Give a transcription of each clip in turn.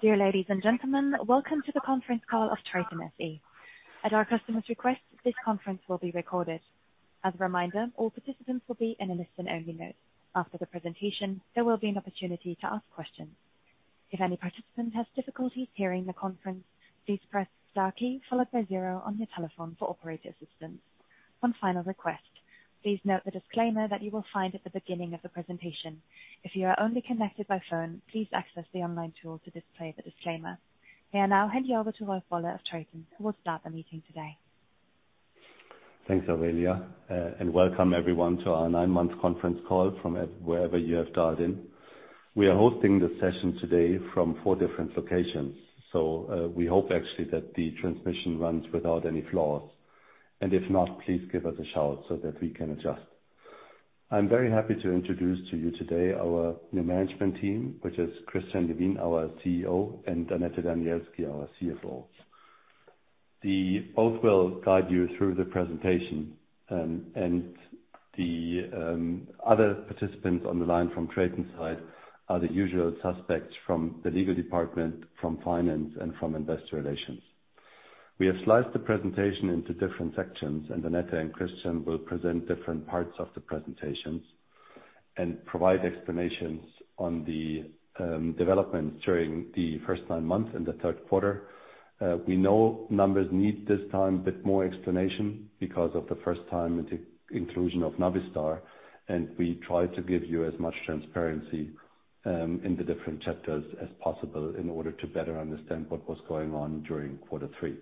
Dear ladies and gentlemen, welcome to the conference call of TRATON SE. At our customer's request, this conference will be recorded. As a reminder, all participants will be in a listen-only mode. After the presentation, there will be an opportunity to ask questions. If any participant has difficulty hearing the conference, please press star key followed by zero on your telephone for operator assistance. One final request. Please note the disclaimer that you will find at the beginning of the presentation. If you are only connected by phone, please access the online tool to display the disclaimer. I will now hand you over to Rolf Woller of TRATON, who will start the meeting today. Thanks, Aurelia. Welcome everyone to our nine-month conference call from wherever you have dialed in. We are hosting the session today from four different locations. We hope actually that the transmission runs without any flaws. If not, please give us a shout so that we can adjust. I'm very happy to introduce to you today our new management team, which is Christian Levin, our CEO, and Annette Danielski, our CFO. They both will guide you through the presentation, and the other participants on the line from TRATON side are the usual suspects from the legal department, from finance, and from investor relations. We have sliced the presentation into different sections, and Annette and Christian will present different parts of the presentations and provide explanations on the developments during the first nine months in the third quarter. We know numbers need this time a bit more explanation because of the first time inclusion of Navistar, and we try to give you as much transparency in the different chapters as possible in order to better understand what was going on during quarter three.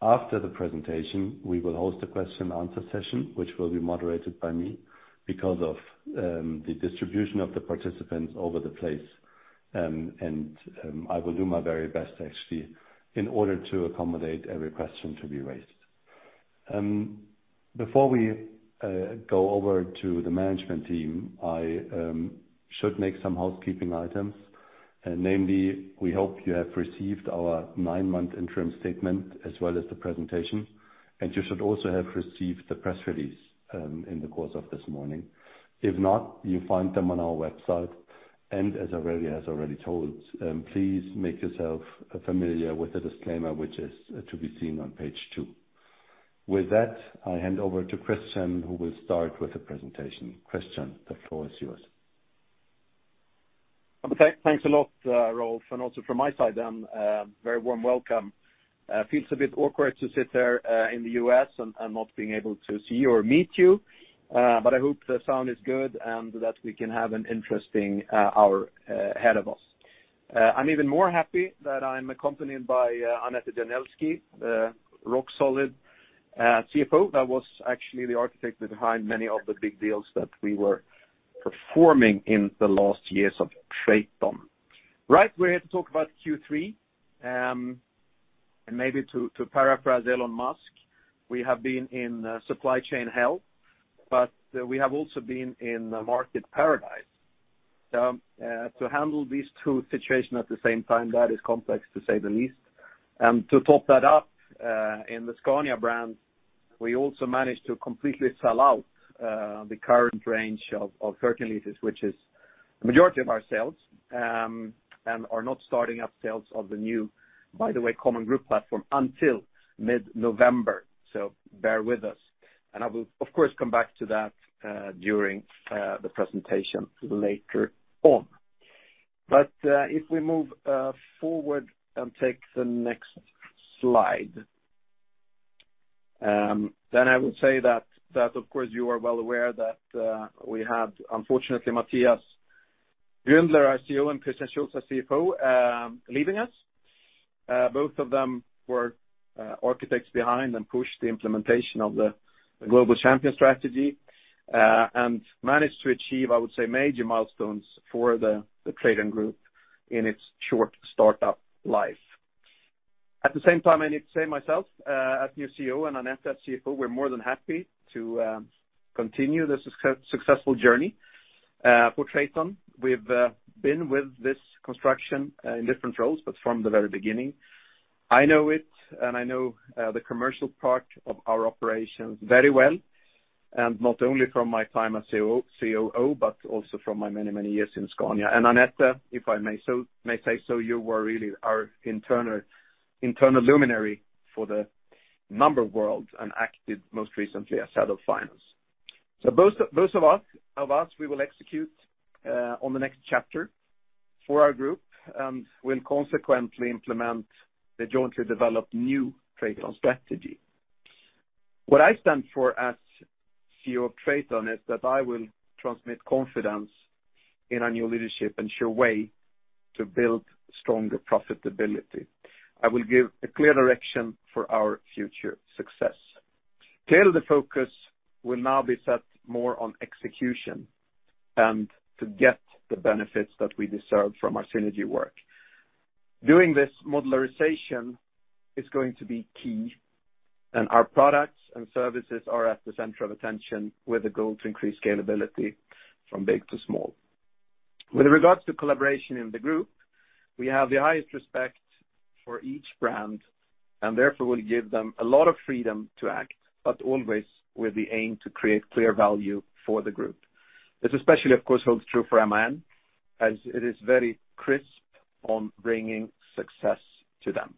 After the presentation, we will host a question and answer session, which will be moderated by me because of the distribution of the participants over the place. I will do my very best actually in order to accommodate every question to be raised. Before we go over to the management team, I should make some housekeeping items. Namely, we hope you have received our nine-month interim statement as well as the presentation, and you should also have received the press release in the course of this morning. If not, you'll find them on our website. As Aurelia has already told, please make yourself familiar with the disclaimer, which is to be seen on page two. With that, I hand over to Christian, who will start with the presentation. Christian, the floor is yours. Thanks a lot, Rolf, and also from my side, a very warm welcome. It feels a bit awkward to sit here in the U.S. and not being able to see or meet you, but I hope the sound is good and that we can have an interesting hour ahead of us. I'm even more happy that I'm accompanied by Annette Danielski, the rock-solid CFO, that was actually the architect behind many of the big deals that we were performing in the last years of TRATON. Right, we're here to talk about Q3. And maybe to paraphrase Elon Musk, we have been in supply chain hell, but we have also been in market paradise. To handle these two situations at the same time, that is complex, to say the least. To top that up, in the Scania brand, we also managed to completely sell out the current range of 13 L, which is the majority of our sales, and are not starting up sales of the new, by the way, common group platform until mid-November. Bear with us. I will, of course, come back to that during the presentation later on. If we move forward and take the next slide, then I would say that of course you are well aware that we had unfortunately Matthias Gründler, our CEO, and Christian Schulz, our CFO, leaving us. Both of them were architects behind and pushed the implementation of the Global Champion strategy and managed to achieve, I would say, major milestones for the TRATON Group in its short start-up life. At the same time, I need to say for myself as new CEO and Annette as CFO, we're more than happy to continue the successful journey for TRATON. We've been with this company in different roles, but from the very beginning. I know it, and I know the commercial part of our operations very well, and not only from my time as COO, but also from my many years in Scania. Annette, if I may say so, you were really our internal luminary for the number world and acted most recently as head of finance. Both of us, we will execute on the next chapter for our group and will consequently implement the jointly developed new TRATON strategy. What I stand for as CEO of TRATON is that I will transmit confidence in our new leadership and sure way to build stronger profitability. I will give a clear direction for our future success. Tail of the focus will now be set more on execution and to get the benefits that we deserve from our synergy work. Doing this modularization is going to be key, and our products and services are at the center of attention with the goal to increase scalability from big to small. With regards to collaboration in the group. We have the highest respect for each brand, and therefore will give them a lot of freedom to act, but always with the aim to create clear value for the group. This especially, of course, holds true for MAN, as it is very crisp on bringing success to them.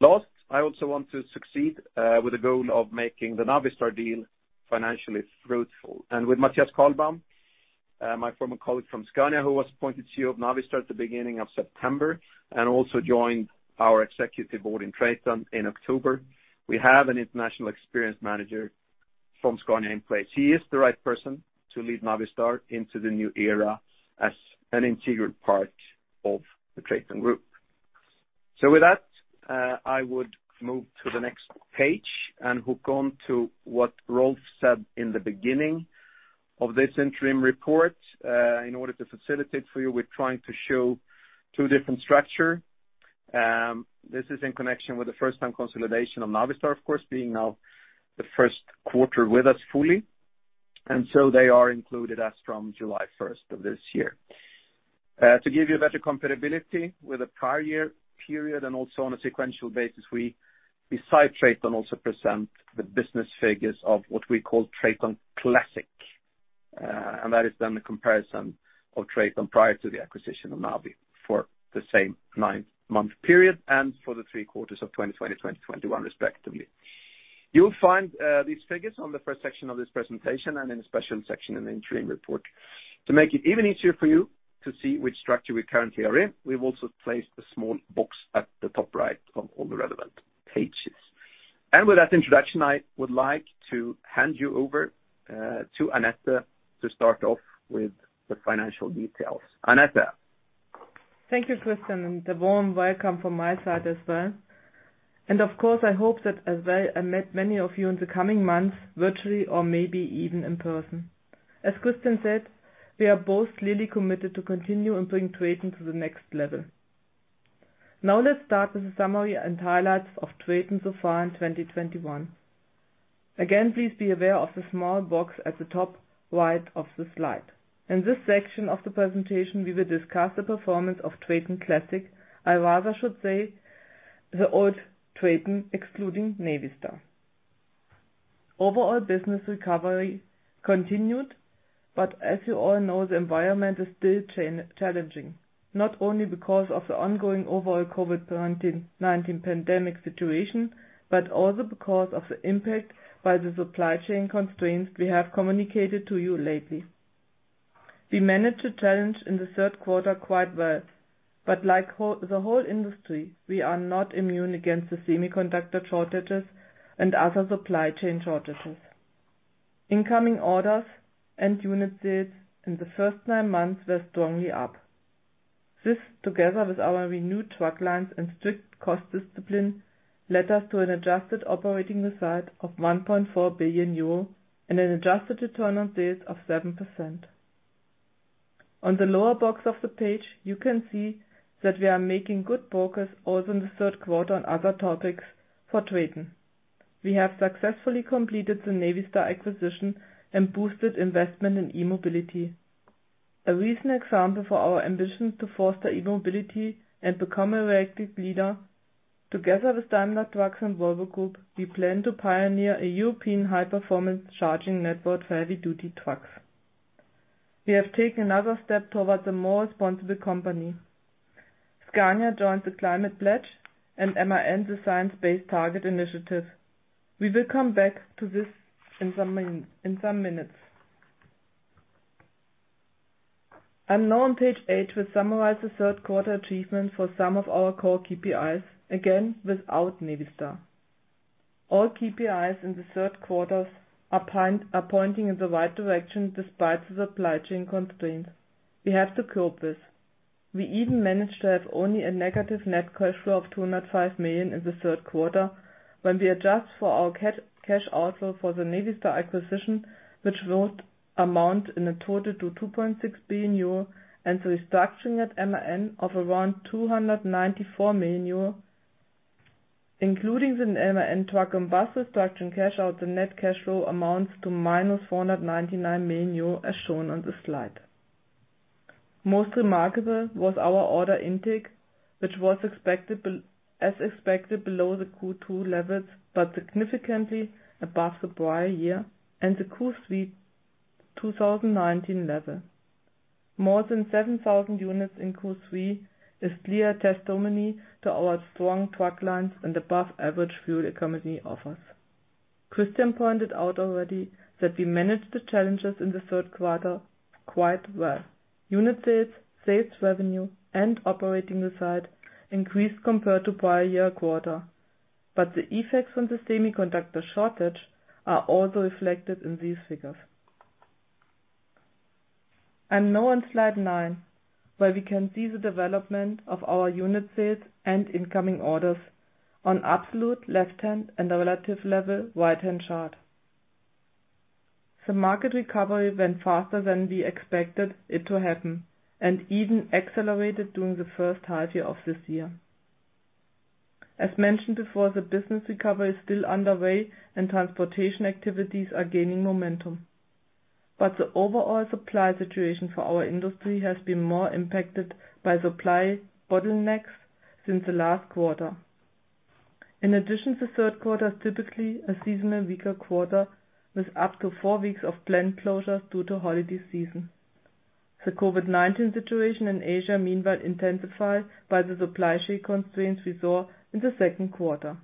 Last, I also want to succeed with the goal of making the Navistar deal financially fruitful. With Mathias Carlbaum, my former colleague from Scania, who was appointed CEO of Navistar at the beginning of September, and also joined our executive board in TRATON in October, we have an international experienced manager from Scania in place. He is the right person to lead Navistar into the new era as an integral part of the TRATON Group. With that, I would move to the next page and hook on to what Rolf said in the beginning of this interim report. In order to facilitate for you, we're trying to show two different structure. This is in connection with the first time consolidation of Navistar, of course, being now the first quarter with us fully. They are included as from July first of this year. To give you a better comparability with the prior year period and also on a sequential basis, we, besides TRATON, also present the business figures of what we call TRATON Classic. That is then the comparison of TRATON prior to the acquisition of Navistar for the same nine-month period and for the three quarters of 2020, 2021 respectively. You will find these figures on the first section of this presentation and in a special section in the interim report. To make it even easier for you to see which structure we currently are in, we've also placed a small box at the top right of all the relevant pages. With that introduction, I would like to hand you over to Annette to start off with the financial details. Annette. Thank you, Christian, and a warm welcome from my side as well. Of course, I hope that as well I met many of you in the coming months, virtually or maybe even in person. As Christian said, we are both clearly committed to continue and bring TRATON to the next level. Now let's start with the summary and highlights of TRATON so far in 2021. Again, please be aware of the small box at the top right of the slide. In this section of the presentation, we will discuss the performance of TRATON Classic. I rather should say the old TRATON, excluding Navistar. Overall business recovery continued, but as you all know, the environment is still challenging, not only because of the ongoing overall COVID-19 pandemic situation, but also because of the impact by the supply chain constraints we have communicated to you lately. We managed the challenge in the third quarter quite well, but like the whole industry, we are not immune against the semiconductor shortages and other supply chain shortages. Incoming orders and unit sales in the first nine months were strongly up. This, together with our renewed truck lines and strict cost discipline, led us to an adjusted operating result of 1.4 billion euro and an adjusted return on sales of 7%. On the lower box of the page, you can see that we are making good progress also in the third quarter on other topics for TRATON. We have successfully completed the Navistar acquisition and boosted investment in e-mobility. A recent example for our ambition to foster e-mobility and become an active leader, together with Daimler Truck and Volvo Group, we plan to pioneer a European high-performance charging network for heavy-duty trucks. We have taken another step towards a more responsible company. Scania joined The Climate Pledge, and MAN, the Science Based Targets initiative. We will come back to this in some minutes. Now on page eight, we summarize the third quarter achievement for some of our core KPIs, again, without Navistar. All KPIs in the third quarter are pointing in the right direction despite the supply chain constraints. We have to curb this. We even managed to have only a negative net cash flow of 205 million in the third quarter when we adjust for our cash outflow for the Navistar acquisition, which would amount in a total to 2.6 billion euro and the restructuring at MAN of around 294 million euro, including the MAN Truck & Bus restructuring cash out. The net cash flow amounts to -499 million euro, as shown on the slide. Most remarkable was our order intake, which was expected as expected below the Q2 levels, but significantly above the prior year and the Q3 2019 level. More than 7,000 units in Q3 is clear testimony to our strong truck lines and above average fuel economy offers. Christian pointed out already that we managed the challenges in the third quarter quite well. Unit sales revenue, and operating result increased compared to prior year quarter, but the effects from the semiconductor shortage are also reflected in these figures. Now on slide nine, where we can see the development of our unit sales and incoming orders on absolute left-hand and the relative level right-hand chart. The market recovery went faster than we expected it to happen and even accelerated during the first half year of this year. As mentioned before, the business recovery is still underway and transportation activities are gaining momentum. The overall supply situation for our industry has been more impacted by supply bottlenecks since the last quarter. In addition, the third quarter is typically a seasonal weaker quarter, with up to four weeks of plant closures due to holiday season. The COVID-19 situation in Asia meanwhile intensified by the supply chain constraints we saw in the second quarter.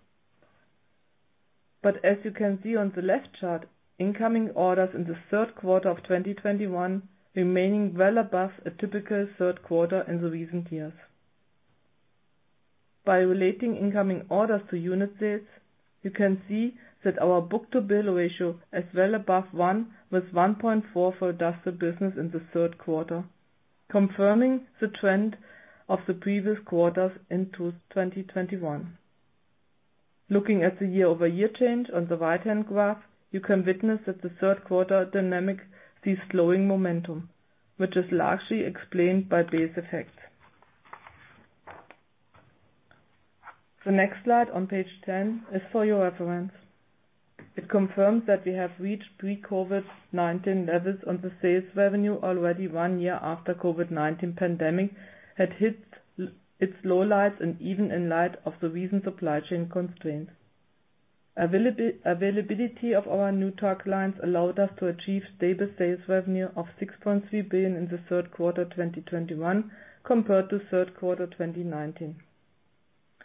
As you can see on the left chart, incoming orders in the third quarter of 2021 remaining well above a typical third quarter in the recent years. By relating incoming orders to unit sales, you can see that our book-to-bill ratio is well above one, with 1.4 for industrial business in the third quarter, confirming the trend of the previous quarters in 2021. Looking at the year-over-year change on the right-hand graph, you can witness that the third quarter dynamic sees slowing momentum, which is largely explained by base effects. The next slide on page 10 is for your reference. It confirms that we have reached pre-COVID-19 levels on the sales revenue already one year after COVID-19 pandemic had hit its lowlights and even in light of the recent supply chain constraints. Availability of our new truck lines allowed us to achieve stable sales revenue of 6.3 billion in the third quarter 2021 compared to third quarter 2019.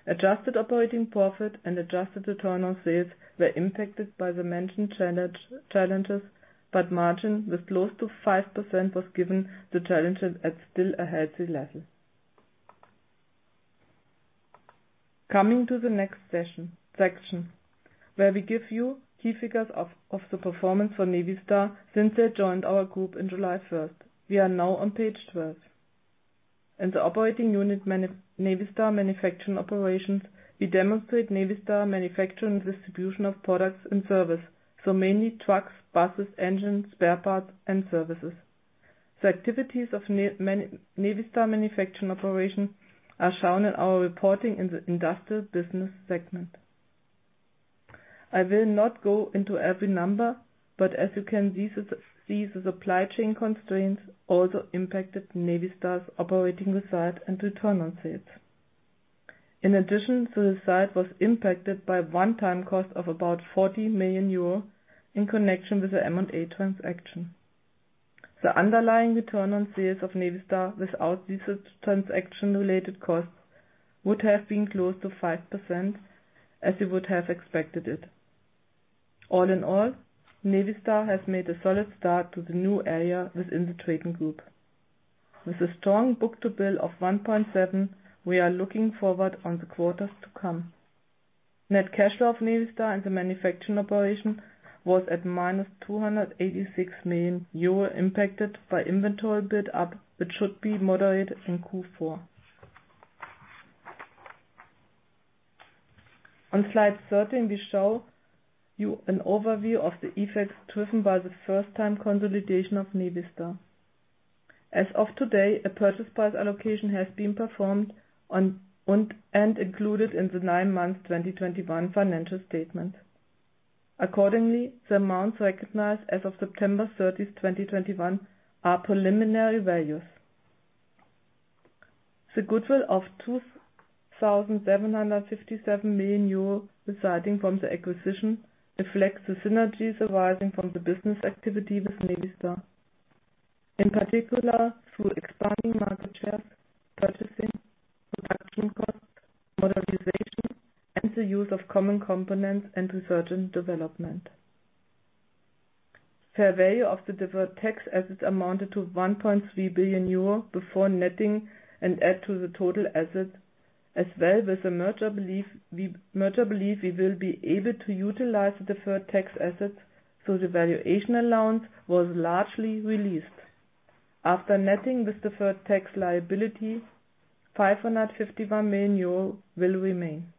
Adjusted operating profit and adjusted return on sales were impacted by the mentioned challenges, but margin was close to 5% was given the challenges at still a healthy level. Coming to the next section, where we give you key figures of the performance for Navistar since they joined our group in July 1st. We are now on page 12. In the operating unit Navistar Manufacturing Operations, we demonstrate Navistar manufacturing distribution of products and service, so mainly trucks, buses, engines, spare parts and services. The activities of Navistar Manufacturing Operations are shown in our reporting in the industrial business segment. I will not go into every number, but as you can see, the supply chain constraints also impacted Navistar's operating result and return on sales. In addition, the result was impacted by one-time cost of about 40 million euro in connection with the M&A transaction. The underlying return on sales of Navistar without these transaction-related costs would have been close to 5%, as you would have expected it. All in all, Navistar has made a solid start to the new era within the TRATON Group. With a strong book-to-bill of 1.7, we are looking forward to the quarters to come. Net cash flow of Navistar and the manufacturing operation was at -286 million euro impacted by inventory build-up, which should be moderate in Q4. On slide 13, we show you an overview of the effects driven by the first time consolidation of Navistar. As of today, a purchase price allocation has been performed and included in the nine months 2021 financial statement. Accordingly, the amounts recognized as of September 30, 2021 are preliminary values. The goodwill of 2.757 billion euros resulting from the acquisition reflects the synergies arising from the business activity with Navistar. In particular, through expanding market share, purchasing, production costs, modernization, and the use of common components and research and development. Fair value of the deferred tax assets amounted to 1.3 billion euro before netting and add to the total asset. As well, with the merger, we believe we will be able to utilize the deferred tax assets so the valuation allowance was largely released. After netting with deferred tax liability, 551 million euro will remain.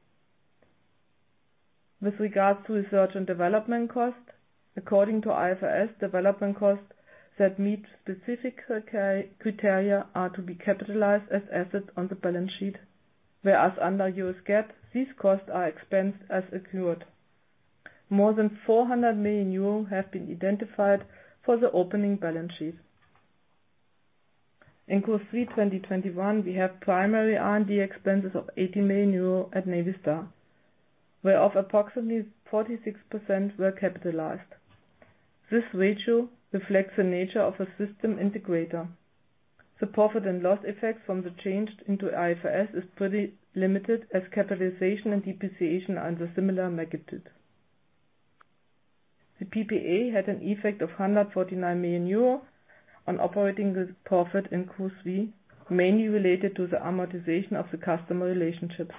With regards to research and development costs, according to IFRS, development costs that meet specific criteria are to be capitalized as assets on the balance sheet. Whereas under U.S. GAAP, these costs are expensed as occurred. More than 400 million euro have been identified for the opening balance sheet. In Q3 2021, we have primary R&D expenses of 80 million euro at Navistar, whereof approximately 46% were capitalized. This ratio reflects the nature of a system integrator. The profit and loss effects from the change into IFRS is pretty limited as capitalization and depreciation are of similar magnitude. The PPA had an effect of 149 million euro on operating profit in Q3, mainly related to the amortization of the customer relationships.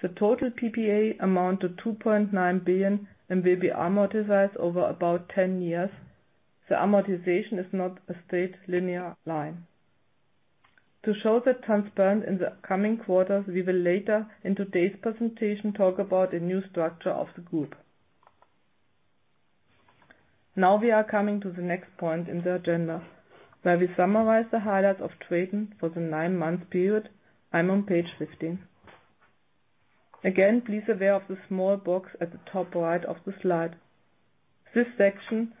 The total PPA amount to 2.9 billion and will be amortized over about 10 years. The amortization is not a straight linear line. To show the transparency in the coming quarters, we will later in today's presentation talk about a new structure of the group. Now we are coming to the next point in the agenda, where we summarize the highlights of TRATON for the nine-month period. I'm on page 15. Again, please be aware of the small box at the top right of the slide. This section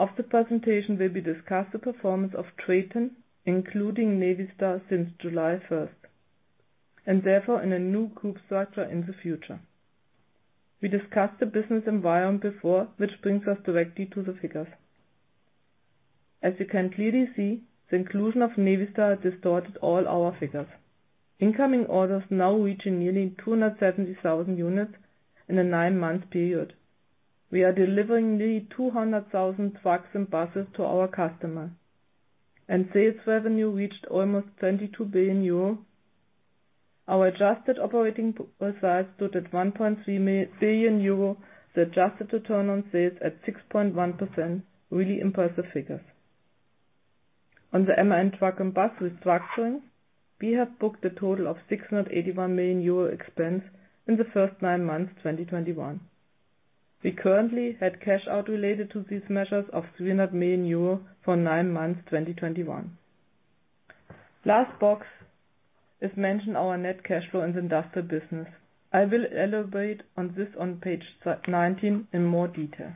of the presentation will discuss the performance of TRATON, including Navistar since July 1st, and therefore, in a new group structure in the future. We discussed the business environment before, which brings us directly to the figures. As you can clearly see, the inclusion of Navistar distorted all our figures. Incoming orders now reaching nearly 270,000 units in a nine-month period. We are delivering nearly 200,000 trucks and buses to our customer. Sales revenue reached almost 22 billion euro. Our adjusted operating result stood at 1.3 billion euro. The adjusted return on sales at 6.1%, really impressive figures. On the MAN Truck & Bus restructuring, we have booked a total of 681 million euro expense in the first nine months, 2021. We currently had cash out related to these measures of 300 million euro for nine months, 2021. Lastly, we mention our net cash flow in the industrial business. I will elaborate on this on page 19 in more detail.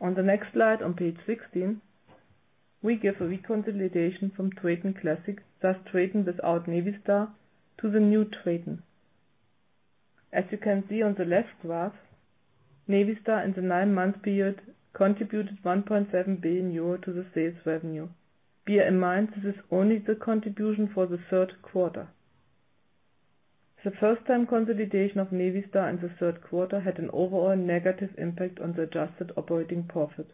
On the next slide, on page 16, we give a reconsolidation from TRATON Classic, thus TRATON without Navistar, to the new TRATON. As you can see on the left graph, Navistar in the nine-month period contributed 1.7 billion euro to the sales revenue. Bear in mind, this is only the contribution for the third quarter. The first time consolidation of Navistar in the third quarter had an overall negative impact on the adjusted operating profit.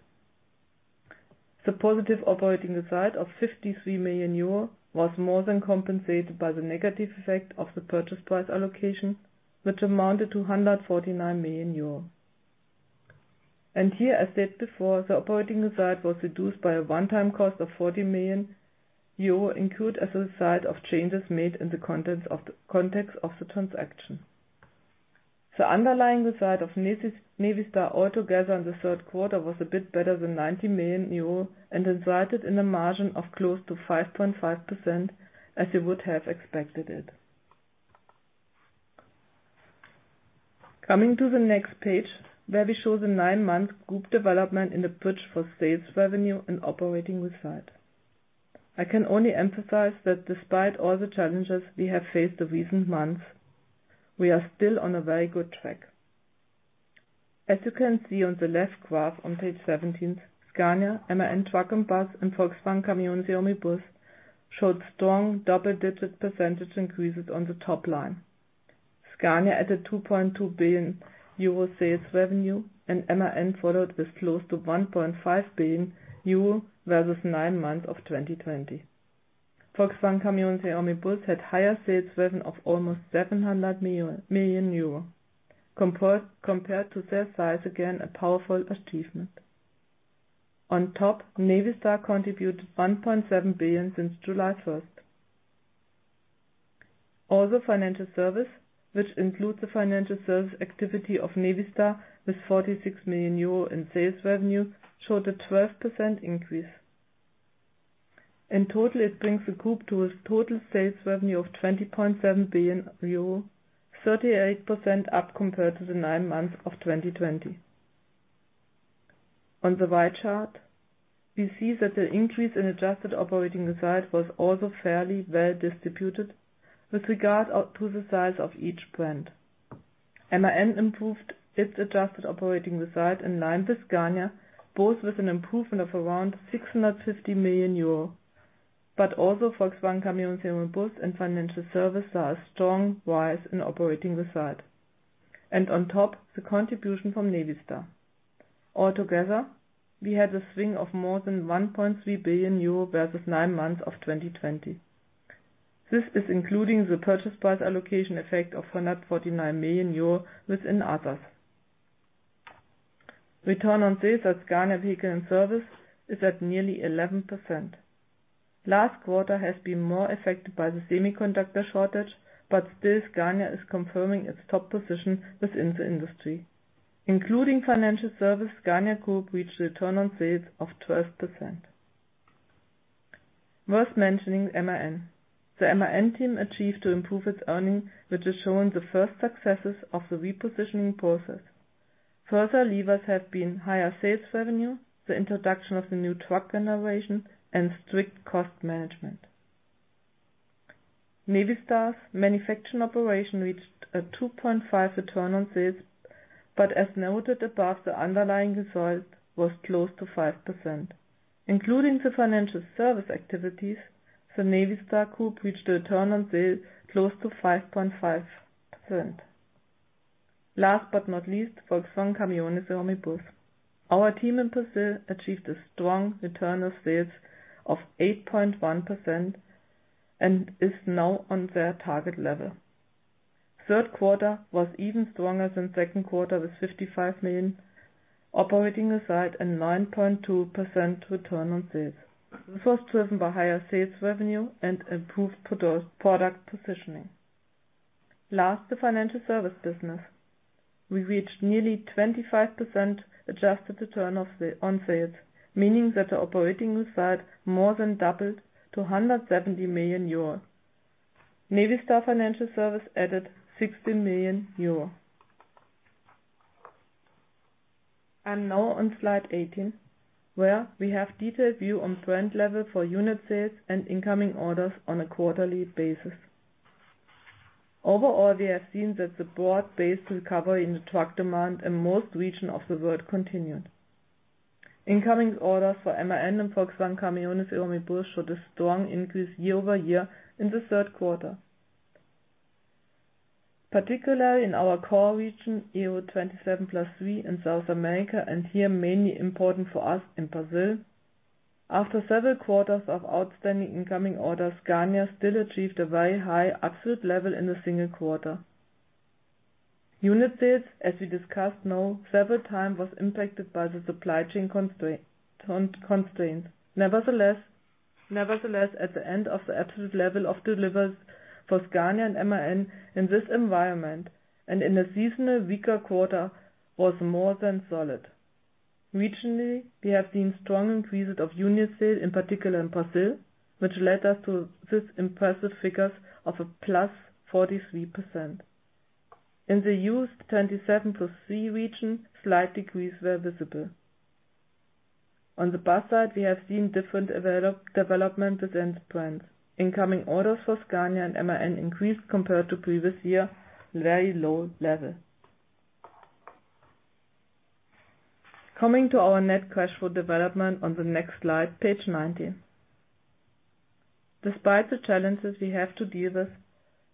The positive operating result of 53 million euro was more than compensated by the negative effect of the purchase price allocation, which amounted to 149 million euro. Here, as stated before, the operating result was reduced by a one-time cost of 40 million euro incurred as a result of changes made in the context of the transaction. The underlying result of Navistar altogether in the third quarter was a bit better than 90 million euro and resulted in a margin of close to 5.5%, as you would have expected it. Coming to the next page, where we show the nine-month group development in the bridge for sales revenue and operating result. I can only emphasize that despite all the challenges we have faced the recent months, we are still on a very good track. As you can see on the left graph on page 17, Scania, MAN Truck & Bus, and Volkswagen Caminhões e Ônibus showed strong double-digit percentage increases on the top line. Scania added 2.2 billion euro sales revenue, and MAN followed with close to 1.5 billion euro versus nine months of 2020. Volkswagen Caminhões e Ônibus had higher sales revenue of almost 700 million euros. Compared to their size, again, a powerful achievement. On top, Navistar contributed 1.7 billion since July 1st. Also, financial service, which includes the financial service activity of Navistar with 46 million euro in sales revenue, showed a 12% increase. In total, it brings the group to a total sales revenue of 20.7 billion euro, 38% up compared to the nine months of 2020. On the right chart, we see that the increase in adjusted operating result was also fairly well distributed with regard to the size of each brand. MAN improved its adjusted operating result in line with Scania, both with an improvement of around 650 million euro. Also Volkswagen Caminhões e Ônibus and financial service saw a strong rise in operating result. On top, the contribution from Navistar. Altogether, we had a swing of more than 1.3 billion euro versus nine months of 2020. This is including the purchase price allocation effect of 149 million euro within others. Return on sales at Scania Vehicles & Services is at nearly 11%. Last quarter has been more affected by the semiconductor shortage, but still Scania is confirming its top position within the industry. Including financial service, Scania Group reached a return on sales of 12%. Worth mentioning, MAN. The MAN team achieved to improve its earning, which has shown the first successes of the repositioning process. Further levers have been higher sales revenue, the introduction of the new truck generation, and strict cost management. Navistar's manufacturing operation reached a 2.5 return on sales, but as noted above, the underlying result was close to 5%. Including the financial service activities, the Navistar Group reached a return on sales close to 5.5%. Last but not least, Volkswagen Caminhões e Ônibus. Our team in Brazil achieved a strong return on sales of 8.1% and is now on their target level. Third quarter was even stronger than second quarter with 55 million operating result, a 9.2% return on sales. This was driven by higher sales revenue and improved product positioning. Last, the financial service business. We reached nearly 25% adjusted return on sales, meaning that the operating result more than doubled to 170 million euros. Navistar Financial added 60 million euros. Now on slide 18, where we have detailed view on trend level for unit sales and incoming orders on a quarterly basis. Overall, we have seen that the broad-based recovery in the truck demand in most regions of the world continued. Incoming orders for MAN and Volkswagen Caminhões e Ônibus showed a strong increase year-over-year in the third quarter. Particularly in our core region, EU27+3 in South America, and here mainly important for us in Brazil. After several quarters of outstanding incoming orders, Scania still achieved a very high absolute level in the single quarter. Unit sales, as we discussed now, several times was impacted by the supply chain constraints. Nevertheless, the absolute level of deliveries for Scania and MAN in this environment, and in a seasonal weaker quarter, was more than solid. Regionally, we have seen strong increases of unit sales, in particular in Brazil, which led us to this impressive figures of +43%. In the EU27+3 region, slight decreases were visible. On the bus side, we have seen different development within the brands. Incoming orders for Scania and MAN increased compared to previous year, very low level. Coming to our net cash flow development on the next slide, page 19. Despite the challenges we have to deal with,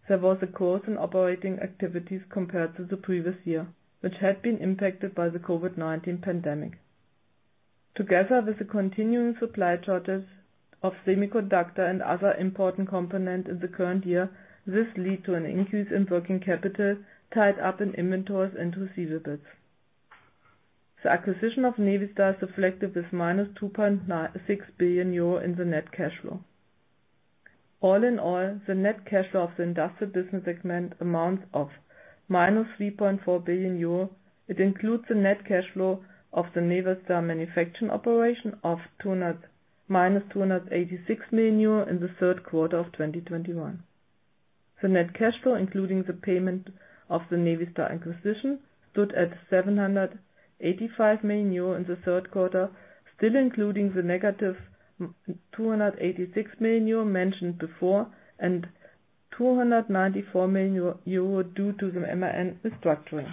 there was an increase in cash flow from operating activities compared to the previous year, which had been impacted by the COVID-19 pandemic. Together with the continuing supply shortages of semiconductors and other important components in the current year, this led to an increase in working capital tied up in inventories and receivables. The acquisition of Navistar is reflected with -2.6 billion euro in the net cash flow. All in all, the net cash flow of the industrial business segment amounts to -3.4 billion euro. It includes the net cash flow of the Navistar Manufacturing Operations of -286 million euro in the third quarter of 2021. The net cash flow, including the payment of the Navistar acquisition, stood at 785 million euro in the third quarter, still including the negative -286 million euro mentioned before, and 294 million euro due to the MAN restructuring.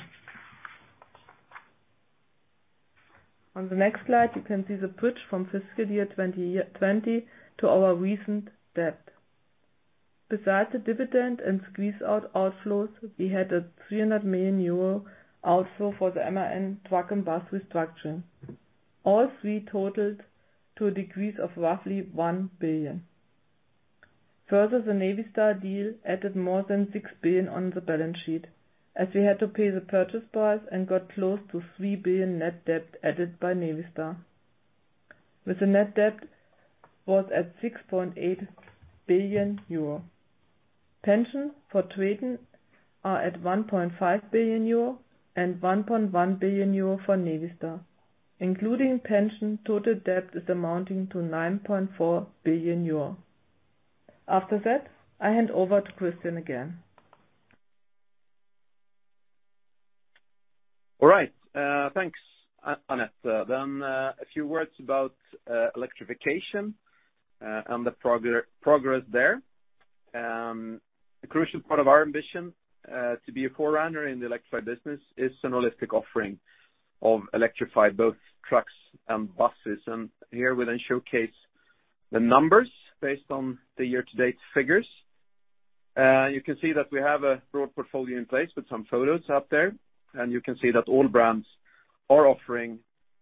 On the next slide, you can see the bridge from fiscal year 2020 to our recent debt. Besides the dividend and squeeze out outflows, we had an 300 million euro outflow for the MAN Truck & Bus restructuring. All three totaled to a decrease of roughly 1 billion. Further, the Navistar deal added more than 6 billion on the balance sheet, as we had to pay the purchase price and got close to 3 billion net debt added by Navistar. With the net debt was at 6.8 billion euro. Pension for TRATON are at 1.5 billion euro and 1.1 billion euro for Navistar. Including pension, total debt is amounting to 9.4 billion euro. After that, I hand over to Christian again. All right, thanks, Annette. A few words about electrification and the progress there. A crucial part of our ambition to be a forerunner in the electrified business is a holistic offering of electrified both trucks and buses. Here we then showcase the numbers based on the year-to-date figures. You can see that we have a broad portfolio in place with some photos up there. You can see that all brands are offering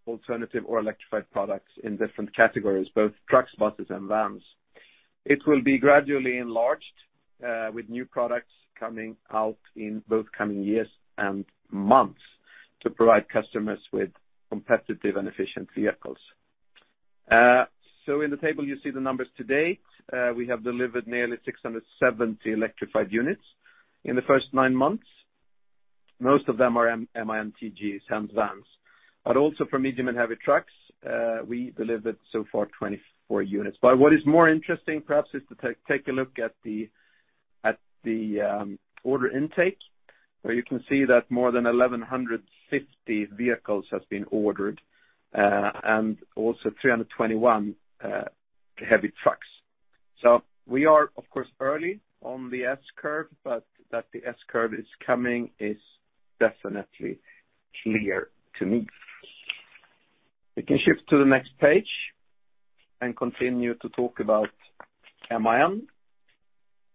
alternative or electrified products in different categories, both trucks, buses and vans. It will be gradually enlarged with new products coming out in both coming years and months to provide customers with competitive and efficient vehicles. In the table, you see the numbers to date. We have delivered nearly 670 electrified units in the first nine months. Most of them are MAN TGEs and vans. Also for medium and heavy trucks, we delivered so far 24 units. What is more interesting perhaps is to take a look at the order intake. Where you can see that more than 1,150 vehicles has been ordered, and also 321 heavy trucks. We are of course early on the S-curve, but that the S-curve is coming is definitely clear to me. We can shift to the next page and continue to talk about MAN.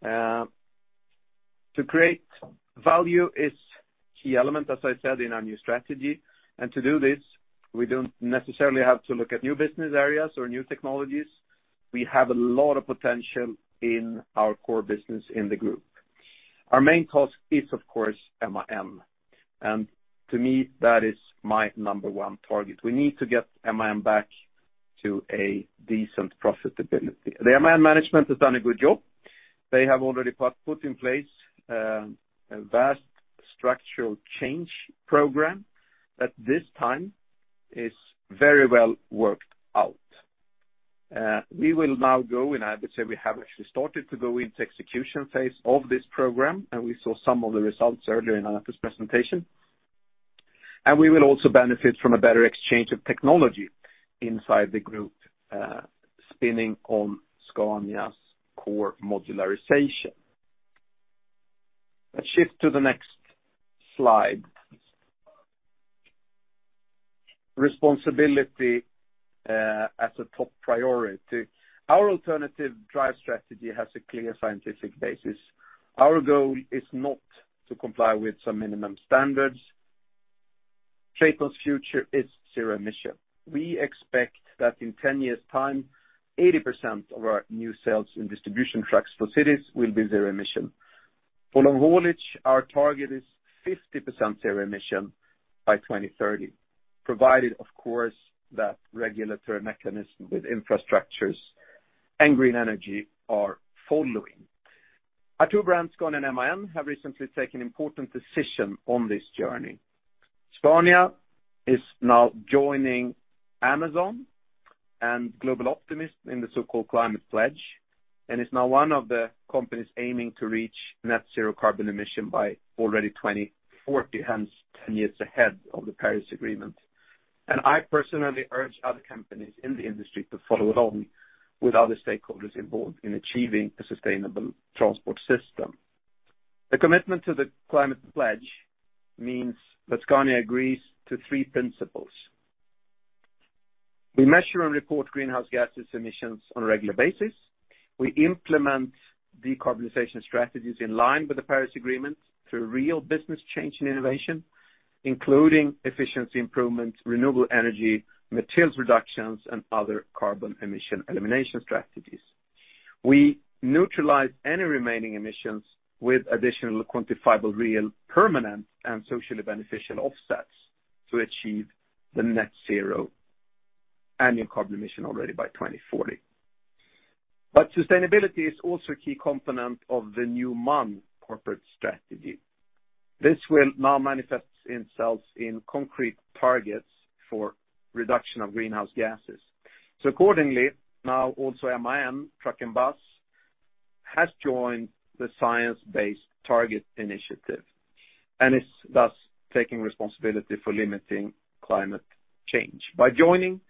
To create value is key element, as I said, in our new strategy. To do this, we don't necessarily have to look at new business areas or new technologies. We have a lot of potential in our core business in the group. Our main task is of course MAN. To me, that is my number one target. We need to get MAN back to a decent profitability. The MAN management has done a good job. They have already put in place a vast structural change program that this time is very well worked out. We have actually started to go into execution phase of this program, and we saw some of the results earlier in Annette's presentation. We will also benefit from a better exchange of technology inside the group, spinning on Scania's core modularization. Let's shift to the next slide. Responsibility as a top priority. Our alternative drive strategy has a clear scientific basis. Our goal is not to comply with some minimum standards. TRATON's future is zero emission. We expect that in 10 years time, 80% of our new sales in distribution trucks for cities will be zero emission. For long haulage, our target is 50% zero emission by 2030, provided of course, that regulatory mechanism with infrastructures and green energy are following. Our two brands, Scania and MAN, have recently taken important decision on this journey. Scania is now joining Amazon and Global Optimism in the so-called Climate Pledge, and is now one of the companies aiming to reach net zero carbon emission by already 2040, hence 10 years ahead of the Paris Agreement. I personally urge other companies in the industry to follow along with other stakeholders involved in achieving a sustainable transport system. The commitment to the Climate Pledge means that Scania agrees to three principles. We measure and report greenhouse gas emissions on a regular basis. We implement decarbonization strategies in line with the Paris Agreement through real business change and innovation, including efficiency improvement, renewable energy, materials reductions, and other carbon emission elimination strategies. We neutralize any remaining emissions with additional quantifiable, real, permanent, and socially beneficial offsets to achieve the net zero annual carbon emission already by 2040. Sustainability is also a key component of the new MAN corporate strategy. This will now manifest itself in concrete targets for reduction of greenhouse gases. Accordingly, now also MAN Truck & Bus has joined the Science Based Targets initiative and is thus taking responsibility for limiting climate change. By joining,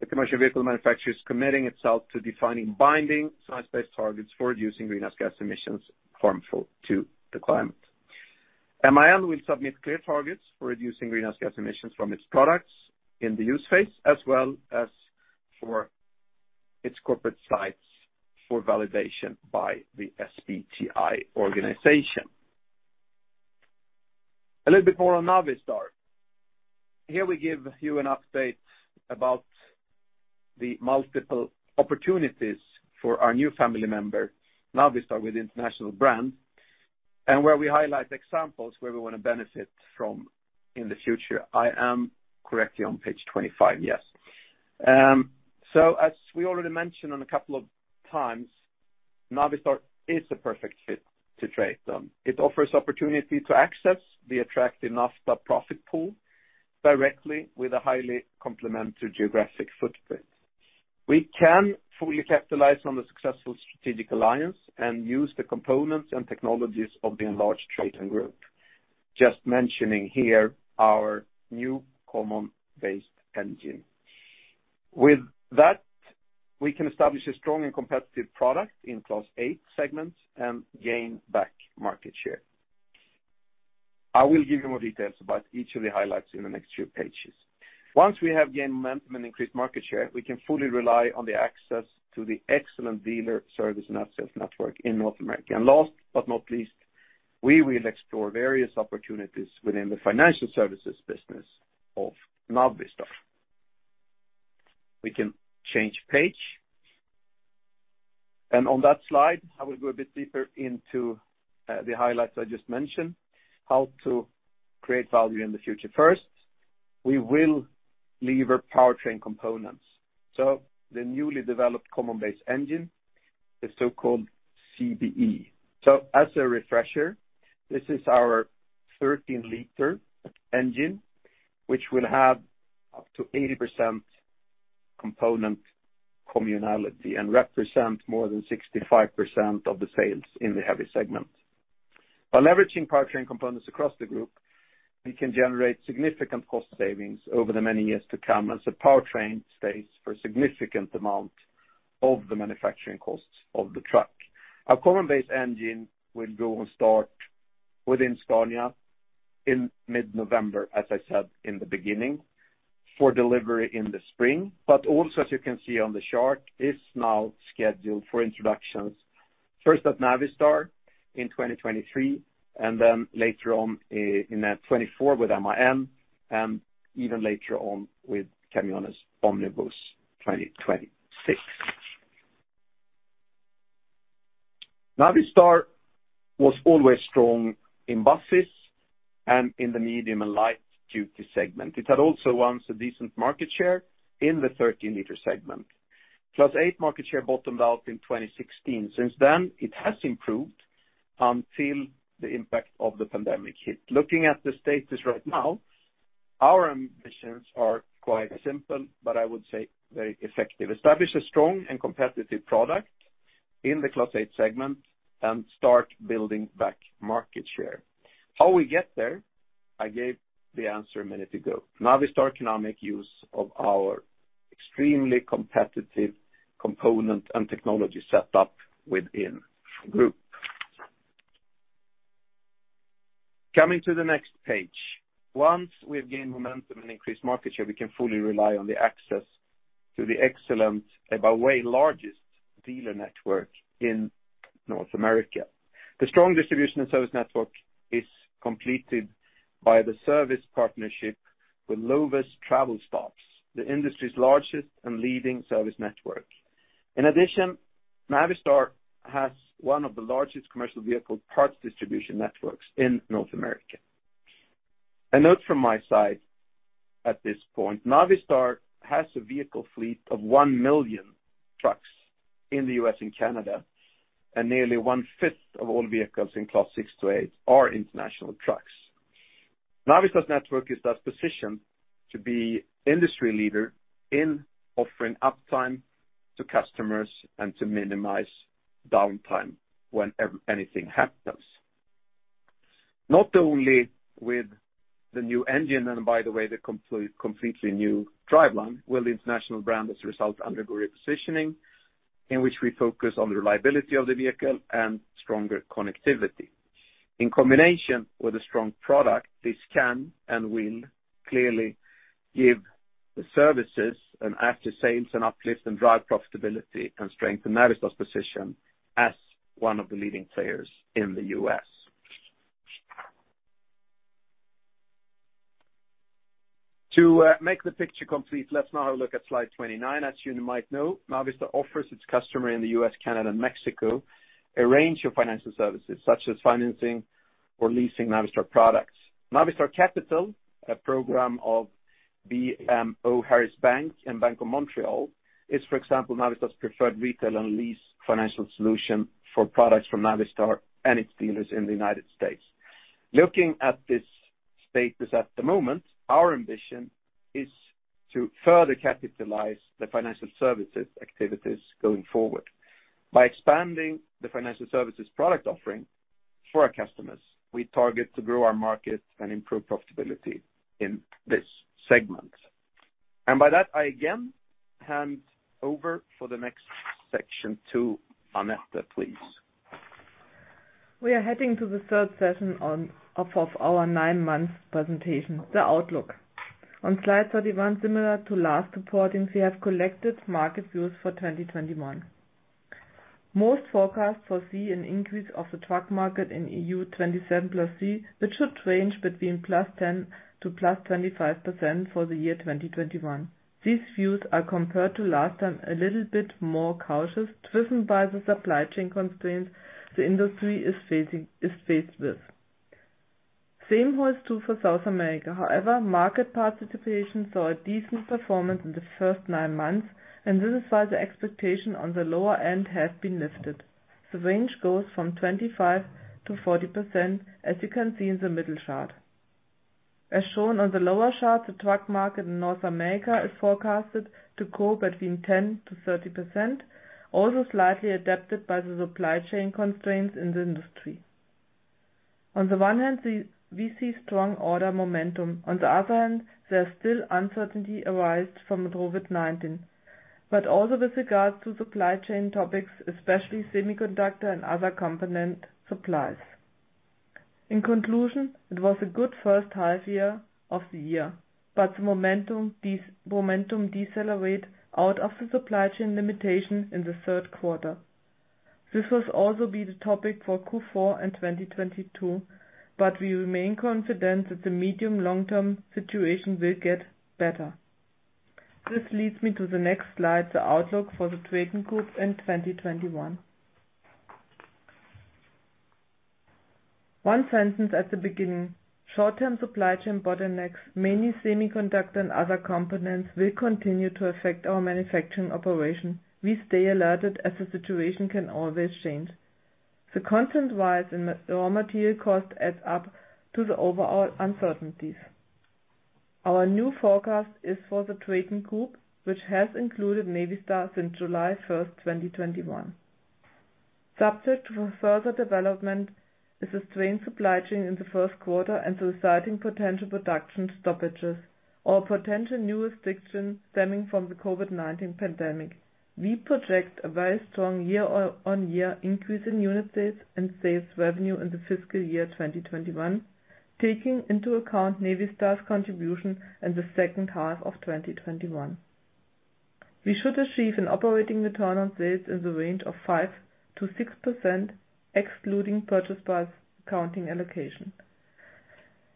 the commercial vehicle manufacturer is committing itself to defining binding science-based targets for reducing greenhouse gas emissions harmful to the climate. MAN will submit clear targets for reducing greenhouse gas emissions from its products in the use phase, as well as for its corporate sites for validation by the SBTi organization. A little bit more on Navistar. Here we give you an update about the multiple opportunities for our new family member, Navistar with International brands, and where we highlight the examples where we wanna benefit from in the future. I am currently on page 25. Yes. So as we already mentioned a couple of times, Navistar is a perfect fit to TRATON. It offers opportunity to access the attractive NAFTA profit pool directly with a highly complementary geographic footprint. We can fully capitalize on the successful strategic alliance and use the components and technologies of the enlarged TRATON Group. Just mentioning here our new common-based engine. With that, we can establish a strong and competitive product in Class 8 segments and gain back market share. I will give you more details about each of the highlights in the next few pages. Once we have gained momentum and increased market share, we can fully rely on the access to the excellent dealer service and access network in North America. Last but not least, we will explore various opportunities within the financial services business of Navistar. We can change page. On that slide, I will go a bit deeper into the highlights I just mentioned, how to create value in the future. First, we will leverage powertrain components, so the newly developed common-based engine, the so-called CBE. As a refresher, this is our 13 L engine, which will have up to 80% component communality and represent more than 65% of the sales in the heavy segment. By leveraging powertrain components across the group, we can generate significant cost savings over the many years to come, as the powertrain stays for a significant amount of the manufacturing costs of the truck. Our common-based engine will go and start within Scania in mid-November, as I said in the beginning, for delivery in the spring, but also, as you can see on the chart, is now scheduled for introductions first at Navistar in 2023, and then later on in 2024 with MAN, even later on with Camiones Omnibus, 2026. Navistar was always strong in buses and in the medium and light duty segment. It had also once a decent market share in the 13 L segment. +8% market share bottomed out in 2016. Since then, it has improved until the impact of the pandemic hit. Looking at the status right now, our ambitions are quite simple, but I would say very effective. Establish a strong and competitive product in the Class 8 segment and start building back market share. How we get there, I gave the answer a minute ago. Navistar can now make use of our extremely competitive component and technology set up within group. Coming to the next page. Once we have gained momentum and increased market share, we can fully rely on the access to the excellent, by the way, largest dealer network in North America. The strong distribution and service network is completed by the service partnership with Love's Travel Stops, the industry's largest and leading service network. In addition, Navistar has one of the largest commercial vehicle parts distribution networks in North America. A note from my side at this point, Navistar has a vehicle fleet of 1 million trucks in the U.S. and Canada, and nearly 1/5 of all vehicles in Class 6 to 8 are International Trucks. Navistar's network is thus positioned to be industry leader in offering uptime to customers and to minimize downtime whenever anything happens. Not only with the new engine, and by the way, the complete, completely new driveline, will the International brand, as a result, undergo repositioning in which we focus on reliability of the vehicle and stronger connectivity. In combination with a strong product, this can and will clearly give the services, and after sales, and uplift, and drive profitability, and strengthen Navistar's position as one of the leading players in the U.S. To make the picture complete, let's now have a look at slide 29. As you might know, Navistar offers its customer in the U.S., Canada, and Mexico, a range of financial services, such as financing or leasing Navistar products. Navistar Capital, a program of BMO Harris Bank and Bank of Montreal, is, for example, Navistar's preferred retail and lease financial solution for products from Navistar and its dealers in the United States. Looking at this status at the moment, our ambition is to further capitalize the financial services activities going forward. By expanding the financial services product offering for our customers, we target to grow our market and improve profitability in this segment. By that, I again hand over for the next section to Annette, please. We are heading to the third session of our nine-month presentation, the outlook. On slide 31, similar to last reporting, we have collected market views for 2021. Most forecasts foresee an increase of the truck market in EU27+3, which should range between +10% to +25% for the year 2021. These views are compared to last time a little bit more cautious, driven by the supply chain constraints the industry is facing. Same holds true for South America. However, market participation saw a decent performance in the first nine months, and this is why the expectation on the lower end has been lifted. The range goes from 25%-40%, as you can see in the middle chart. As shown on the lower chart, the truck market in North America is forecasted to grow between 10%-30%, also slightly adapted by the supply chain constraints in the industry. On the one hand, we see strong order momentum. On the other hand, there's still uncertainty arising from COVID-19, but also with regards to supply chain topics, especially semiconductor and other component supplies. In conclusion, it was a good first half of the year, but the momentum decelerate out of the supply chain limitation in the third quarter. This will also be the topic for Q4 and 2022, but we remain confident that the medium long-term situation will get better. This leads me to the next slide, the outlook for the TRATON Group in 2021. One sentence at the beginning. Short-term supply chain bottlenecks, mainly semiconductor and other components, will continue to affect our manufacturing operation. We stay alerted as the situation can always change. The constant rise in the raw material cost adds up to the overall uncertainties. Our new forecast is for the TRATON Group, which has included Navistar since July 1st, 2021. Subject to further development is a strained supply chain in the first quarter and the resulting potential production stoppages or potential new restrictions stemming from the COVID-19 pandemic. We project a very strong year-on-year increase in unit sales and sales revenue in the fiscal year 2021, taking into account Navistar's contribution in the second half of 2021. We should achieve an operating return on sales in the range of 5%-6%, excluding purchase price allocation.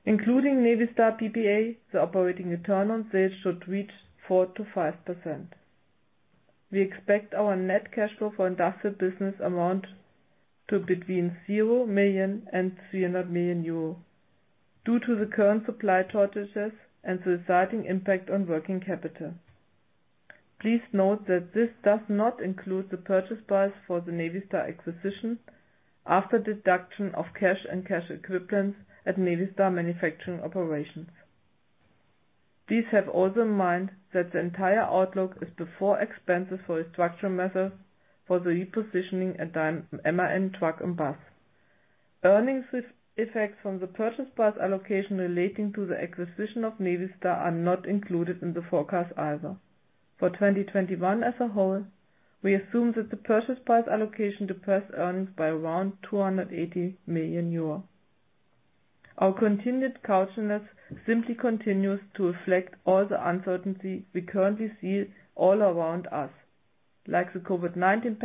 Including Navistar PPA, the operating return on sales should reach 4%-5%. We expect our net cash flow for industrial business amount to between 0 million and 300 million euro due to the current supply shortages and the resulting impact on working capital. Please note that this does not include the purchase price for the Navistar acquisition after deduction of cash and cash equivalents at Navistar Manufacturing Operations. Please have also in mind that the entire outlook is before expenses for restructuring measures for the repositioning at MAN Truck & Bus. Earnings with effects from the purchase price allocation relating to the acquisition of Navistar are not included in the forecast either. For 2021 as a whole, we assume that the purchase price allocation depresses earnings by around 280 million euro. Our continued cautiousness simply continues to reflect all the uncertainty we currently see all around us, like the COVID-19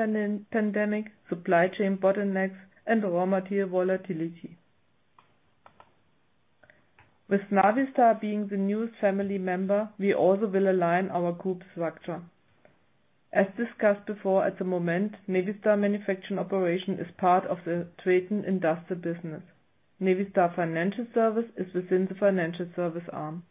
pandemic, supply chain bottlenecks, and raw material volatility. With Navistar being the newest family member, we also will align our group structure. As discussed before, at the moment, Navistar Manufacturing Operations is part of the TRATON industrial business. Navistar Financial Services is within the financial service arm.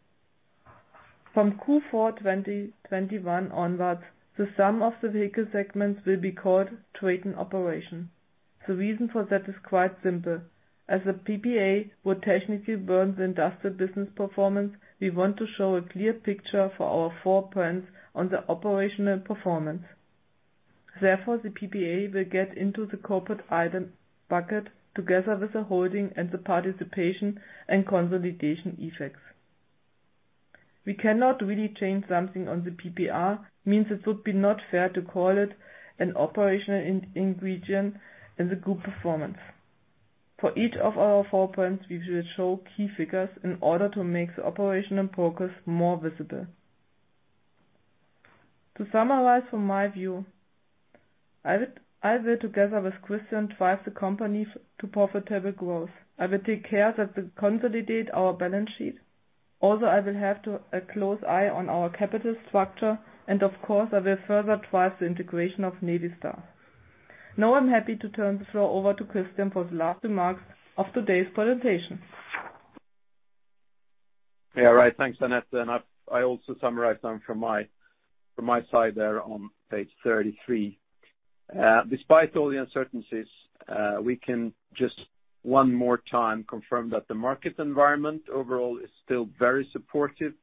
From Q4 2021 onwards, the sum of the vehicle segments will be called TRATON Operations. The reason for that is quite simple. As the PPA would technically burn the industrial business performance, we want to show a clear picture for our four brands on the operational performance. Therefore, the PPA will get into the corporate item bucket together with the holding and the participation and consolidation effects. We cannot really change something on the PPA, means it would be not fair to call it an operational ingredient in the group performance. For each of our four brands, we will show key figures in order to make the operational progress more visible. To summarize from my view, I will together with Christian drive the company to profitable growth. I will take care that we consolidate our balance sheet. Also, I will keep a close eye on our capital structure, and of course, I will further drive the integration of Navistar. Now I'm happy to turn the floor over to Christian for the last remarks of today's presentation. Yeah, all right. Thanks, Annette. I also summarized them from my side there on page 33. Despite all the uncertainties, we can just one more time confirm that the market environment overall is still very supportive.